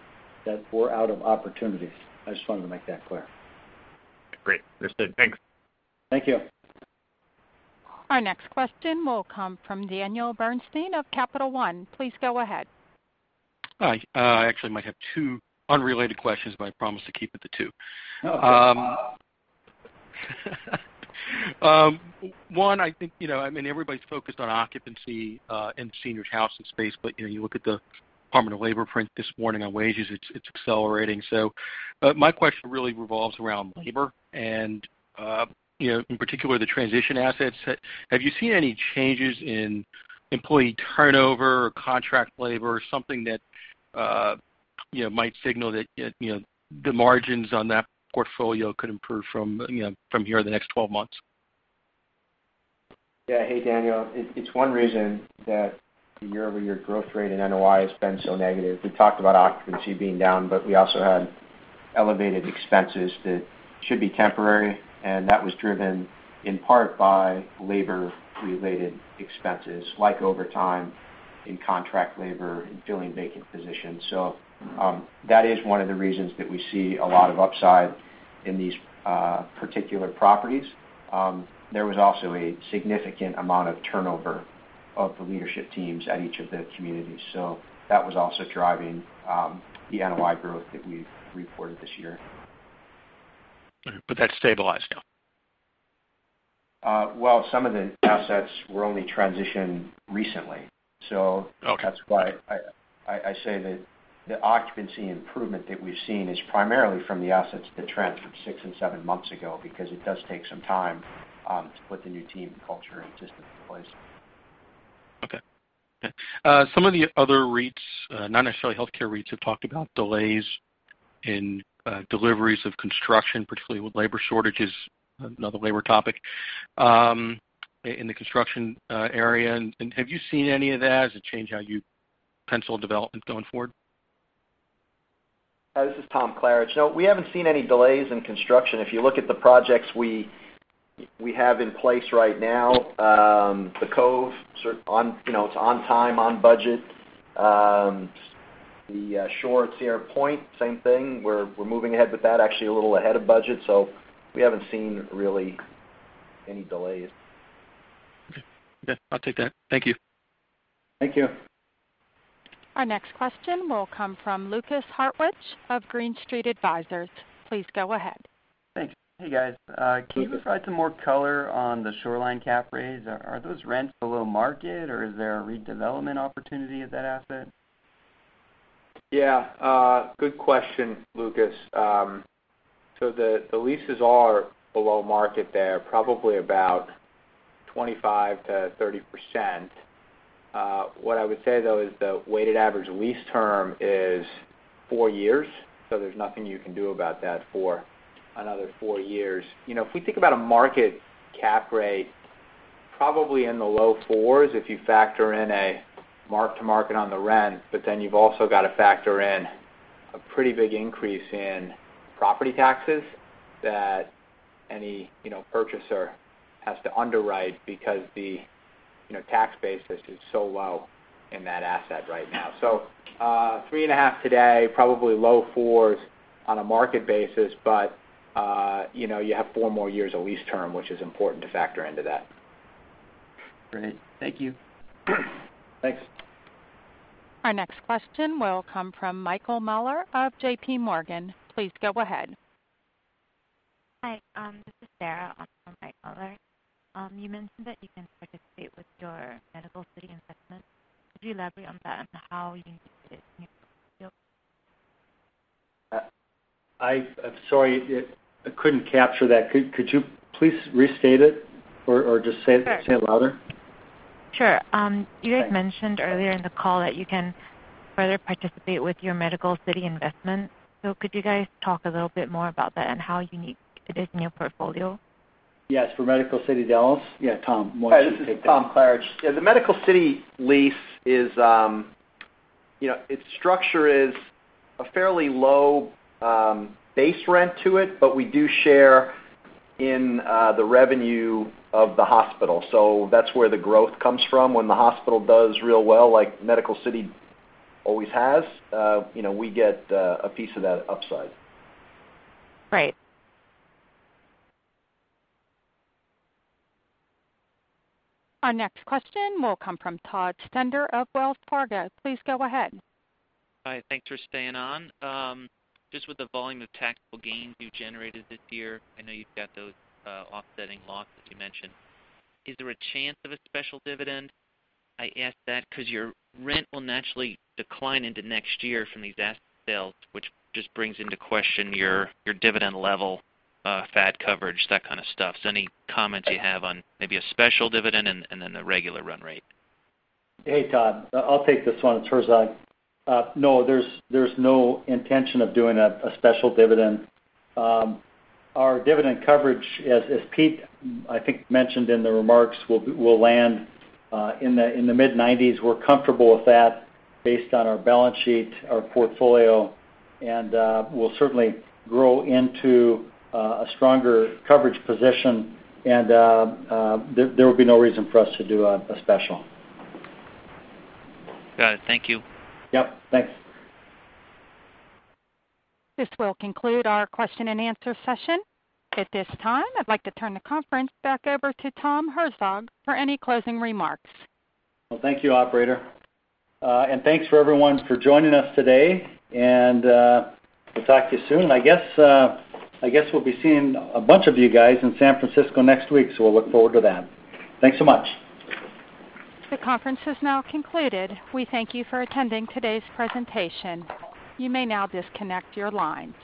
we're out of opportunities. I just wanted to make that clear. Great. Understood. Thanks. Thank you. Our next question will come from Daniel Bernstein of Capital One. Please go ahead. Hi. I actually might have two unrelated questions. I promise to keep it to two. Okay. One, I think everybody's focused on occupancy in the seniors housing space. You look at the Department of Labor print this morning on wages, it's accelerating. My question really revolves around labor and, in particular, the transition assets. Have you seen any changes in employee turnover or contract labor or something that might signal that the margins on that portfolio could improve from here in the next 12 months? Yeah. Hey, Daniel. It's one reason that the year-over-year growth rate in NOI has been so negative. We talked about occupancy being down, we also had elevated expenses that should be temporary, and that was driven in part by labor-related expenses like overtime in contract labor and filling vacant positions. That is one of the reasons that we see a lot of upside in these particular properties. There was also a significant amount of turnover of the leadership teams at each of the communities, that was also driving the NOI growth that we've reported this year. That's stabilized now? Well, some of the assets were only transitioned recently. Okay. That's why I say that the occupancy improvement that we've seen is primarily from the assets that transferred six and seven months ago, because it does take some time to put the new team and culture in place. Okay. Some of the other REITs, not necessarily healthcare REITs, have talked about delays in deliveries of construction, particularly with labor shortages, another labor topic, in the construction area. Have you seen any of that? Has it changed how you pencil development going forward? This is Tom Klarich. No, we haven't seen any delays in construction. If you look at the projects we have in place right now The Cove, it's on time, on budget. The Shore at Sierra Point, same thing. We're moving ahead with that, actually a little ahead of budget. We haven't seen really any delays. Okay. I'll take that. Thank you. Thank you. Our next question will come from Lukas Hartwich of Green Street Advisors. Please go ahead. Thanks. Hey, guys. Can you provide some more color on the Shore cap rates? Are those rents below market, or is there a redevelopment opportunity at that asset? Yeah. Good question, Lukas. The leases are below market there, probably about 25%-30%. What I would say, though, is the weighted average lease term is four years, so there's nothing you can do about that for another four years. If we think about a market cap rate, probably in the low fours, if you factor in a mark to market on the rent, you've also got to factor in a pretty big increase in property taxes that any purchaser has to underwrite because the tax base is just so low in that asset right now. 3.5 today, probably low fours on a market basis, you have four more years of lease term, which is important to factor into that. Great. Thank you. Thanks. Our next question will come from Michael Mueller of JPMorgan. Please go ahead. Hi. This is Sarah on from Michael Mueller. You mentioned that you can participate with your Medical City Investment. Could you elaborate on that, on how unique it is in your portfolio? I'm sorry. I couldn't capture that. Could you please restate it or just say it louder? Sure. You guys mentioned earlier in the call that you can further participate with your Medical City Investment. Could you guys talk a little bit more about that and how unique it is in your portfolio? Yes. For Medical City Dallas? Tom, why don't you take that? This is Tom Klarich. The Medical City lease, its structure is a fairly low base rent to it, but we do share in the revenue of the hospital. That's where the growth comes from. When the hospital does real well, like Medical City always has, we get a piece of that upside. Right. Our next question will come from Todd Stender of Wells Fargo. Please go ahead. Hi. Thanks for staying on. Just with the volume of taxable gains you generated this year, I know you've got those offsetting losses you mentioned. Is there a chance of a special dividend? I ask that because your rent will naturally decline into next year from these asset sales, which just brings into question your dividend level, FAD coverage, that kind of stuff. Any comments you have on maybe a special dividend and then the regular run rate? Hey, Todd. I'll take this one, it's Herzog. There's no intention of doing a special dividend. Our dividend coverage, as Pete, I think mentioned in the remarks, will land in the mid-90s. We're comfortable with that based on our balance sheet, our portfolio, and we'll certainly grow into a stronger coverage position, there would be no reason for us to do a special. Got it. Thank you. Yep. Thanks. This will conclude our question and answer session. At this time, I'd like to turn the conference back over to Tom Herzog for any closing remarks. Well, thank you, operator. Thanks for everyone for joining us today. We'll talk to you soon. I guess we'll be seeing a bunch of you guys in San Francisco next week, we'll look forward to that. Thanks so much. The conference is now concluded. We thank you for attending today's presentation. You may now disconnect your lines.